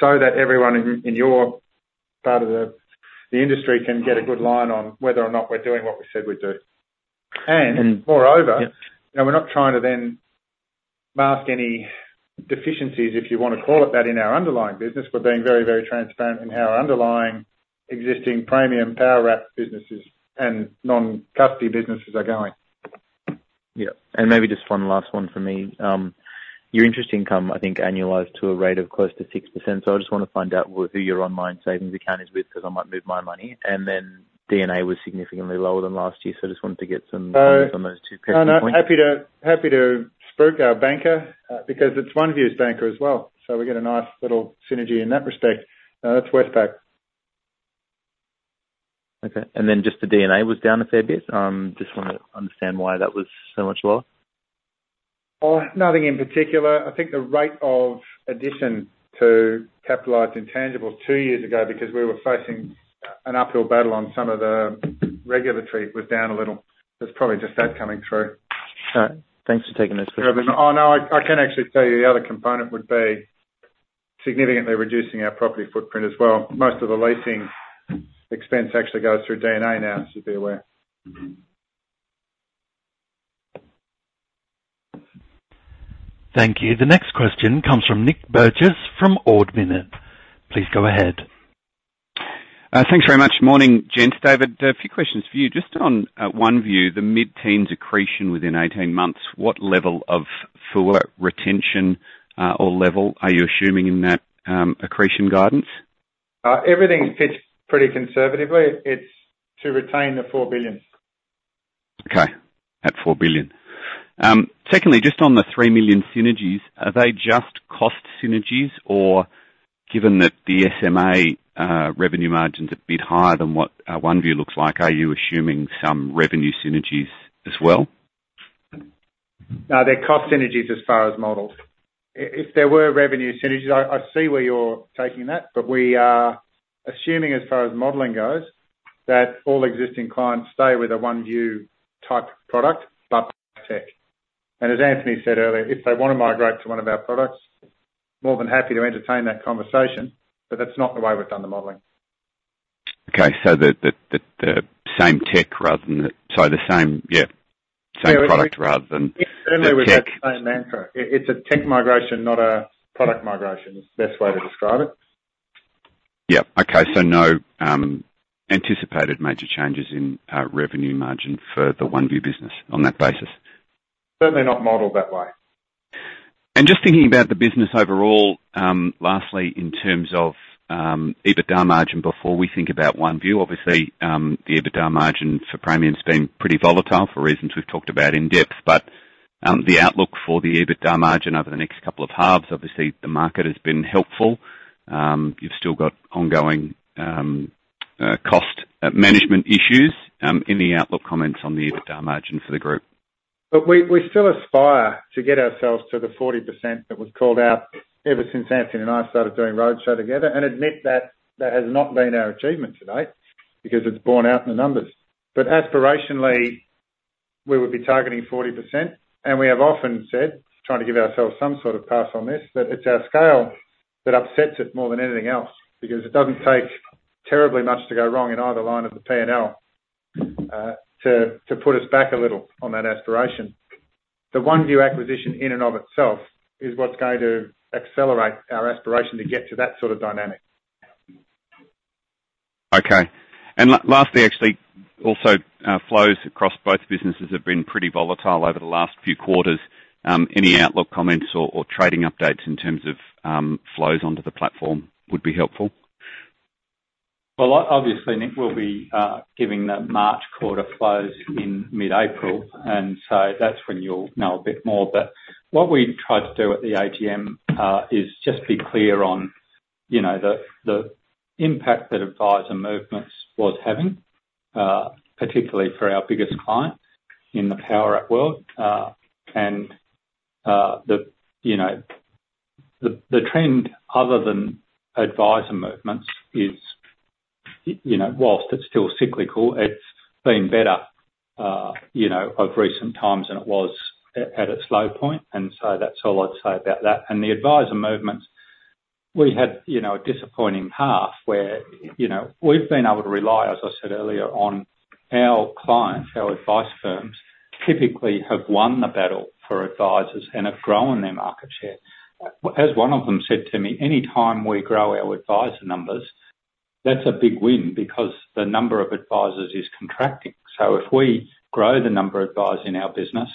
so that everyone in, in your part of the, the industry can get a good line on whether or not we're doing what we said we'd do. And- Mm. - moreover- Yeah. You know, we're not trying to then mask any deficiencies, if you wanna call it that, in our underlying business. We're being very, very transparent in how our underlying existing Praemium Powerwrap businesses and non-custody businesses are going. Yeah, and maybe just one last one for me. Your interest income, I think, annualized to a rate of close to 6%, so I just wanna find out who your online savings account is with, 'cause I might move my money. And then D&A was significantly lower than last year, so I just wanted to get some- Uh- Comments on those two questions. Oh, no, happy to, happy to spook our banker, because it's OneVue's banker as well, so we get a nice little synergy in that respect. That's Westpac. Okay, and then just the D&A was down a fair bit. Just wanna understand why that was so much lower. Oh, nothing in particular. I think the rate of addition to capitalized intangibles two years ago, because we were facing an uphill battle on some of the regulatory, was down a little. It's probably just that coming through. All right. Thanks for taking this question. Oh, no, I, I can actually tell you, the other component would be significantly reducing our property footprint as well. Most of the leasing expense actually goes through D&A now, just to be aware. Mm-hmm. Thank you. The next question comes from Nick Burgess from Ord Minnett. Please go ahead. Thanks very much. Morning, gents. David, a few questions for you. Just on OneVue, the mid-teens accretion within 18 months, what level of forward retention, or level are you assuming in that accretion guidance? Everything fits pretty conservatively. It's to retain the 4 billion. Okay, at 4 billion. Secondly, just on the 3 million synergies, are they just cost synergies, or given that the SMA revenue margin's a bit higher than what OneVue looks like, are you assuming some revenue synergies as well? No, they're cost synergies as far as models. I- if there were revenue synergies, I, I see where you're taking that, but we are assuming, as far as modeling goes, that all existing clients stay with a OneVue-type product, but tech. And as Anthony said earlier, if they wanna migrate to one of our products, more than happy to entertain that conversation, but that's not the way we've done the modeling. Okay, so the same tech rather than the... So the same, yeah, same product rather than- Certainly, we've that same mantra. It's a tech migration, not a product migration, is the best way to describe it. Yeah. Okay, so no, anticipated major changes in revenue margin for the OneVue business on that basis? Certainly not modeled that way. Just thinking about the business overall, lastly, in terms of EBITDA margin before we think about OneVue, obviously, the EBITDA margin for Praemium's been pretty volatile for reasons we've talked about in depth, but the outlook for the EBITDA margin over the next couple of halves, obviously, the market has been helpful. You've still got ongoing cost management issues. Any outlook comments on the EBITDA margin for the group? But we still aspire to get ourselves to the 40% that was called out ever since Anthony and I started doing roadshow together, and admit that that has not been our achievement to date, because it's borne out in the numbers. But aspirationally, we would be targeting 40%, and we have often said, trying to give ourselves some sort of pass on this, that it's our scale that upsets it more than anything else, because it doesn't take terribly much to go wrong in either line of the P&L, to put us back a little on that aspiration. The OneVue acquisition in and of itself is what's going to accelerate our aspiration to get to that sort of dynamic. Okay. And lastly, actually, also, flows across both businesses have been pretty volatile over the last few quarters. Any outlook comments or trading updates in terms of flows onto the platform would be helpful? Well, obviously, Nick, we'll be giving the March quarter flows in mid-April, and so that's when you'll know a bit more. But what we tried to do at the AGM is just be clear on, you know, the impact that advisor movements was having, particularly for our biggest client in the Powerwrap world. And, you know-... The trend other than advisor movements is, you know, whilst it's still cyclical, it's been better, you know, of recent times than it was at a slow point, and so that's all I'd say about that. And the advisor movements, we had, you know, a disappointing half, where, you know, we've been able to rely, as I said earlier, on our clients. Our advice firms typically have won the battle for advisors and have grown their market share. As one of them said to me, "Any time we grow our advisor numbers, that's a big win, because the number of advisors is contracting." So if we grow the number of advisors in our business,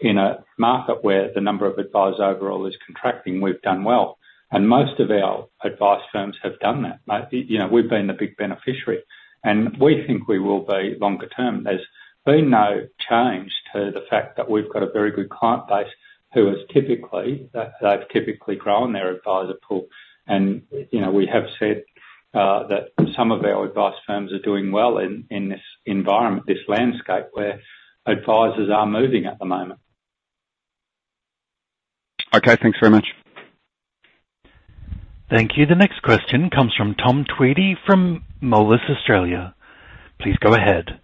in a market where the number of advisors overall is contracting, we've done well, and most of our advice firms have done that. Like, you know, we've been the big beneficiary, and we think we will be longer term. There's been no change to the fact that we've got a very good client base, who is typically... They've typically grown their advisor pool, and, you know, we have said that some of our advice firms are doing well in this environment, this landscape, where advisors are moving at the moment. Okay, thanks very much. Thank you. The next question comes from Tom Tweedie from Moelis Australia. Please go ahead.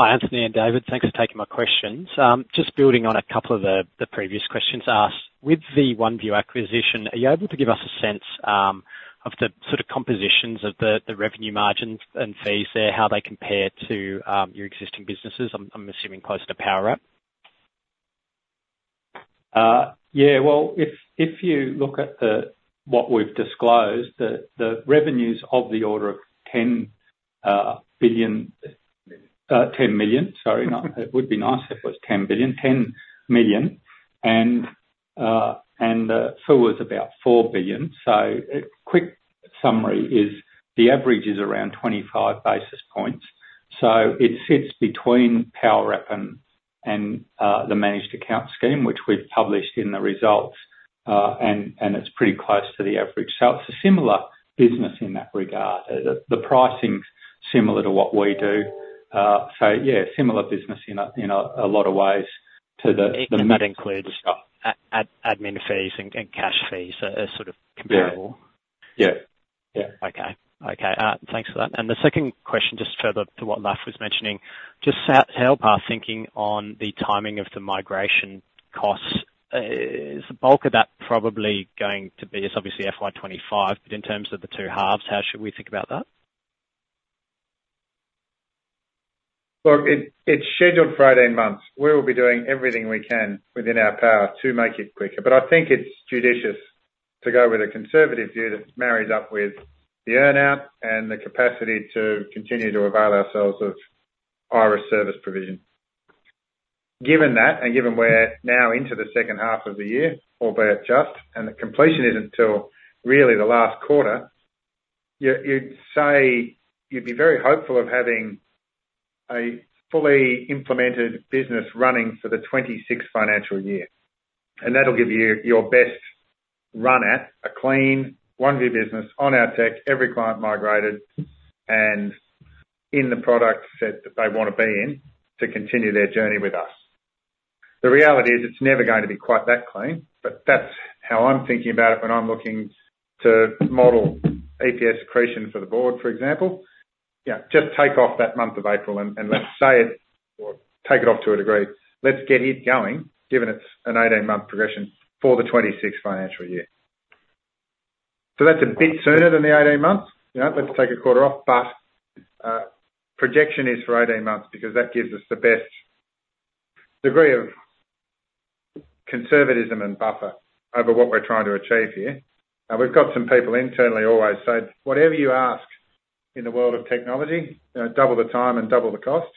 Hi, Anthony and David. Thanks for taking my questions. Just building on a couple of the previous questions asked, with the OneVue acquisition, are you able to give us a sense of the sort of compositions of the revenue margins and fees there, how they compare to your existing businesses? I'm assuming closer to Powerwrap. Yeah, well, if, if you look at the, what we've disclosed, the, the revenue's of the order of 10 billion... 10 million, sorry, not- it would be nice if it was 10 billion. 10 million, and, and, FUA was about 4 billion. So a quick summary is, the average is around 25 basis points, so it sits between Powerwrap and, and, the managed account scheme, which we've published in the results, and, and it's pretty close to the average. So it's a similar business in that regard. The, the pricing's similar to what we do. So yeah, similar business in a, in a, a lot of ways to the, the- And that includes admin fees and cash fees are sort of comparable? Yeah. Yeah, yeah. Okay. Okay, thanks for that. The second question, just further to what Laf was mentioning, just to help our thinking on the timing of the migration costs, is the bulk of that probably going to be... It's obviously FY25, but in terms of the two halves, how should we think about that? Look, it's scheduled for 18 months. We will be doing everything we can within our power to make it quicker, but I think it's judicious to go with a conservative view that's married up with the earn-out and the capacity to continue to avail ourselves of Iress service provision. Given that, and given we're now into the second half of the year, albeit just, and the completion isn't till really the last quarter, you'd say you'd be very hopeful of having a fully implemented business running for the 2026 financial year, and that'll give you your best run at a clean, OneVue business on our tech, every client migrated, and in the product set that they wanna be in to continue their journey with us. The reality is, it's never going to be quite that clean, but that's how I'm thinking about it when I'm looking to model EPS accretion for the board, for example. Yeah, just take off that month of April and, and let's say it, or take it off to a degree. Let's get it going, given it's an 18-month progression for the 2026 financial year. So that's a bit sooner than the 18 months, you know, let's take a quarter off, but projection is for 18 months, because that gives us the best degree of conservatism and buffer over what we're trying to achieve here. Now, we've got some people internally always say, "Whatever you ask in the world of technology, you know, double the time and double the cost."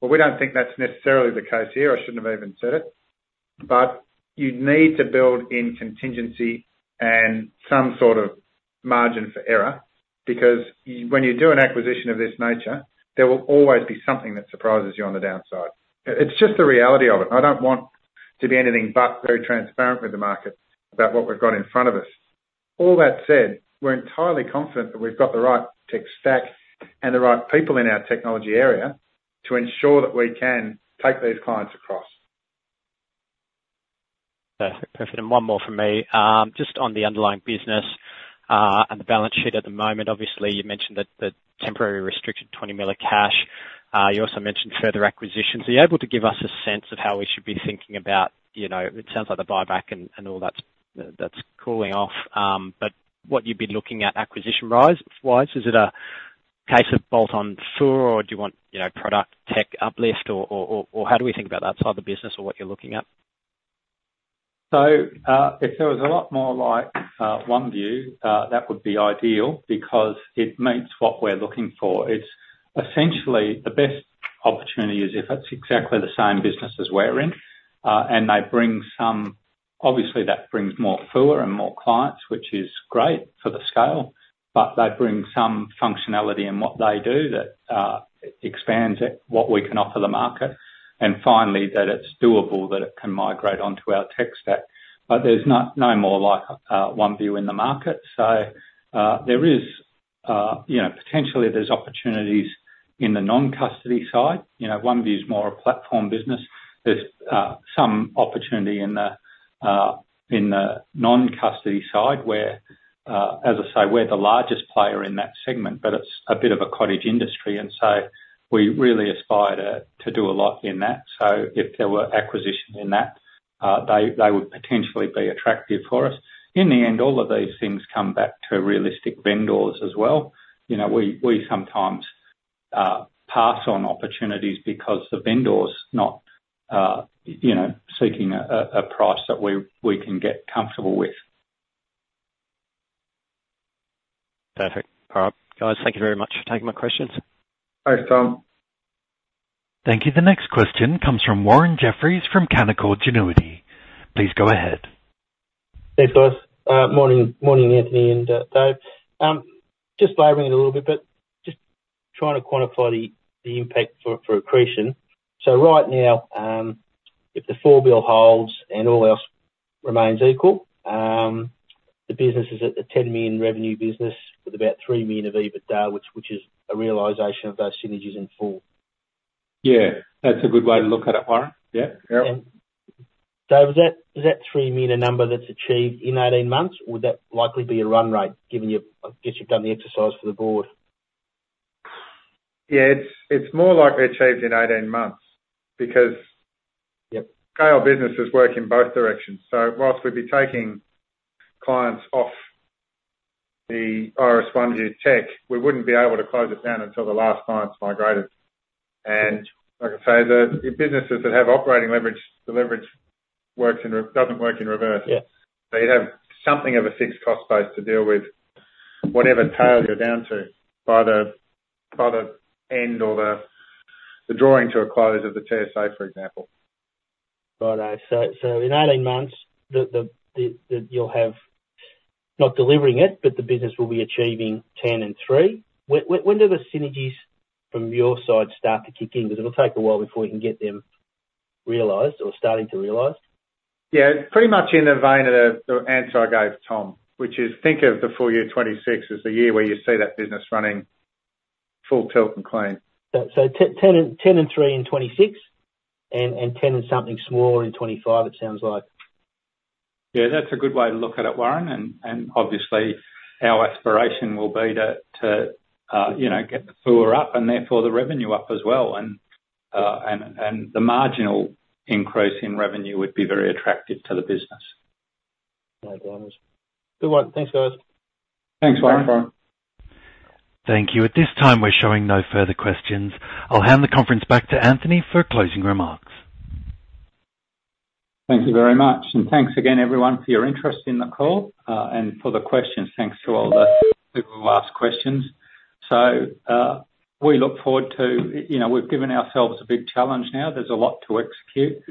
But we don't think that's necessarily the case here. I shouldn't have even said it, but you need to build in contingency and some sort of margin for error, because when you do an acquisition of this nature, there will always be something that surprises you on the downside. It's just the reality of it, and I don't want to be anything but very transparent with the market about what we've got in front of us. All that said, we're entirely confident that we've got the right tech stack and the right people in our technology area to ensure that we can take these clients across. Perfect. And one more from me. Just on the underlying business, and the balance sheet at the moment, obviously you mentioned that the temporary restricted 20 million of cash, you also mentioned further acquisitions. Are you able to give us a sense of how we should be thinking about... You know, it sounds like the buyback and, and all that's, that's cooling off, but what you've been looking at acquisition-wise, is it a case of bolt-on IOOF or do you want, you know, product tech uplift or, or, or, or how do we think about that side of the business or what you're looking at? So, if there was a lot more like OneVue, that would be ideal, because it meets what we're looking for. It's essentially, the best opportunity is if it's exactly the same business as we're in, and they bring some... Obviously, that brings more FUA and more clients, which is great for the scale, but they bring some functionality in what they do that expands it, what we can offer the market. And finally, that it's doable, that it can migrate onto our tech stack. But there's no more like OneVue in the market, so, you know, potentially there's opportunities in the non-custody side. You know, OneVue is more a platform business. There's some opportunity in the non-custody side, where, as I say, we're the largest player in that segment, but it's a bit of a cottage industry, and so we really aspire to do a lot in that. So if there were acquisition in that, they would potentially be attractive for us. In the end, all of these things come back to realistic vendors as well. You know, we sometimes pass on opportunities because the vendor's not, you know, seeking a price that we can get comfortable with. Perfect. All right, guys, thank you very much for taking my questions. Thanks, Tom. Thank you. The next question comes from Warren Jeffries from Canaccord Genuity. Please go ahead. Thanks, guys. Morning, morning, Anthony and, Dave. Just laboring it a little bit, but just trying to quantify the impact for accretion. So right now, if the 4 billion holds and all else remains equal, the business is at the 10 million revenue business with about 3 million of EBITDA, which is a realization of those synergies in full? Yeah, that's a good way to look at it, Warren. Yeah, yeah. Dave, is that, is that 3 million a number that's achieved in 18 months, or would that likely be a run rate, given you—I guess you've done the exercise for the board? Yeah, it's more likely achieved in 18 months, because- Yep. Scale businesses work in both directions. So while we'd be taking clients off the Iress one tech, we wouldn't be able to close it down until the last client's migrated. And like I say, then in businesses that have operating leverage, the leverage doesn't work in reverse. Yeah. So you'd have something of a fixed cost base to deal with whatever tail you're down to, by the end, or the drawing to a close of the TSA, for example. Right, so in 18 months, the... You'll have not delivering it, but the business will be achieving 10 and 3. When do the synergies from your side start to kick in? Because it'll take a while before you can get them realized or starting to realize. Yeah, pretty much in the vein of the answer I gave Tom, which is, think of the full year 2026 as the year where you see that business running full tilt and clean. So 10, 10 and 3 in 2026, and 10 and something smaller in 2025, it sounds like? Yeah, that's a good way to look at it, Warren, and obviously, our aspiration will be to you know, get the FUA up and therefore the revenue up as well. And the marginal increase in revenue would be very attractive to the business. No dramas. Good one. Thanks, guys. Thanks, Warren. Thank you. At this time, we're showing no further questions. I'll hand the conference back to Anthony for closing remarks. Thank you very much, and thanks again, everyone, for your interest in the call. And for the questions, thanks to all the people who asked questions. So, we look forward to... you know, we've given ourselves a big challenge now. There's a lot to execute.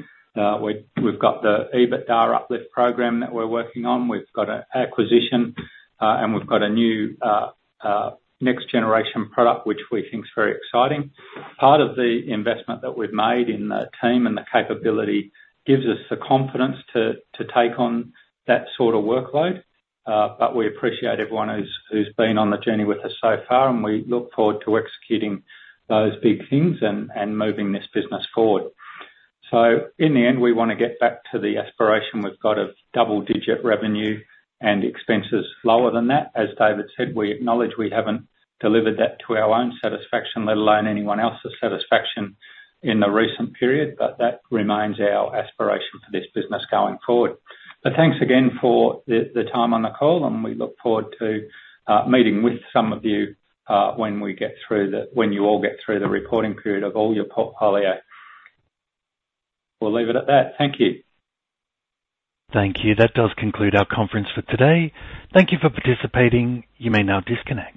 We've got the EBITDA uplift program that we're working on. We've got an acquisition, and we've got a new next generation product which we think is very exciting. Part of the investment that we've made in the team and the capability, gives us the confidence to take on that sort of workload. But we appreciate everyone who's been on the journey with us so far, and we look forward to executing those big things and moving this business forward. So in the end, we wanna get back to the aspiration we've got of double-digit revenue and expenses lower than that. As David said, we acknowledge we haven't delivered that to our own satisfaction, let alone anyone else's satisfaction, in the recent period, but that remains our aspiration for this business going forward. But thanks again for the time on the call, and we look forward to meeting with some of you when you all get through the recording period of all your portfolios. We'll leave it at that. Thank you. Thank you. That does conclude our conference for today. Thank you for participating. You may now disconnect.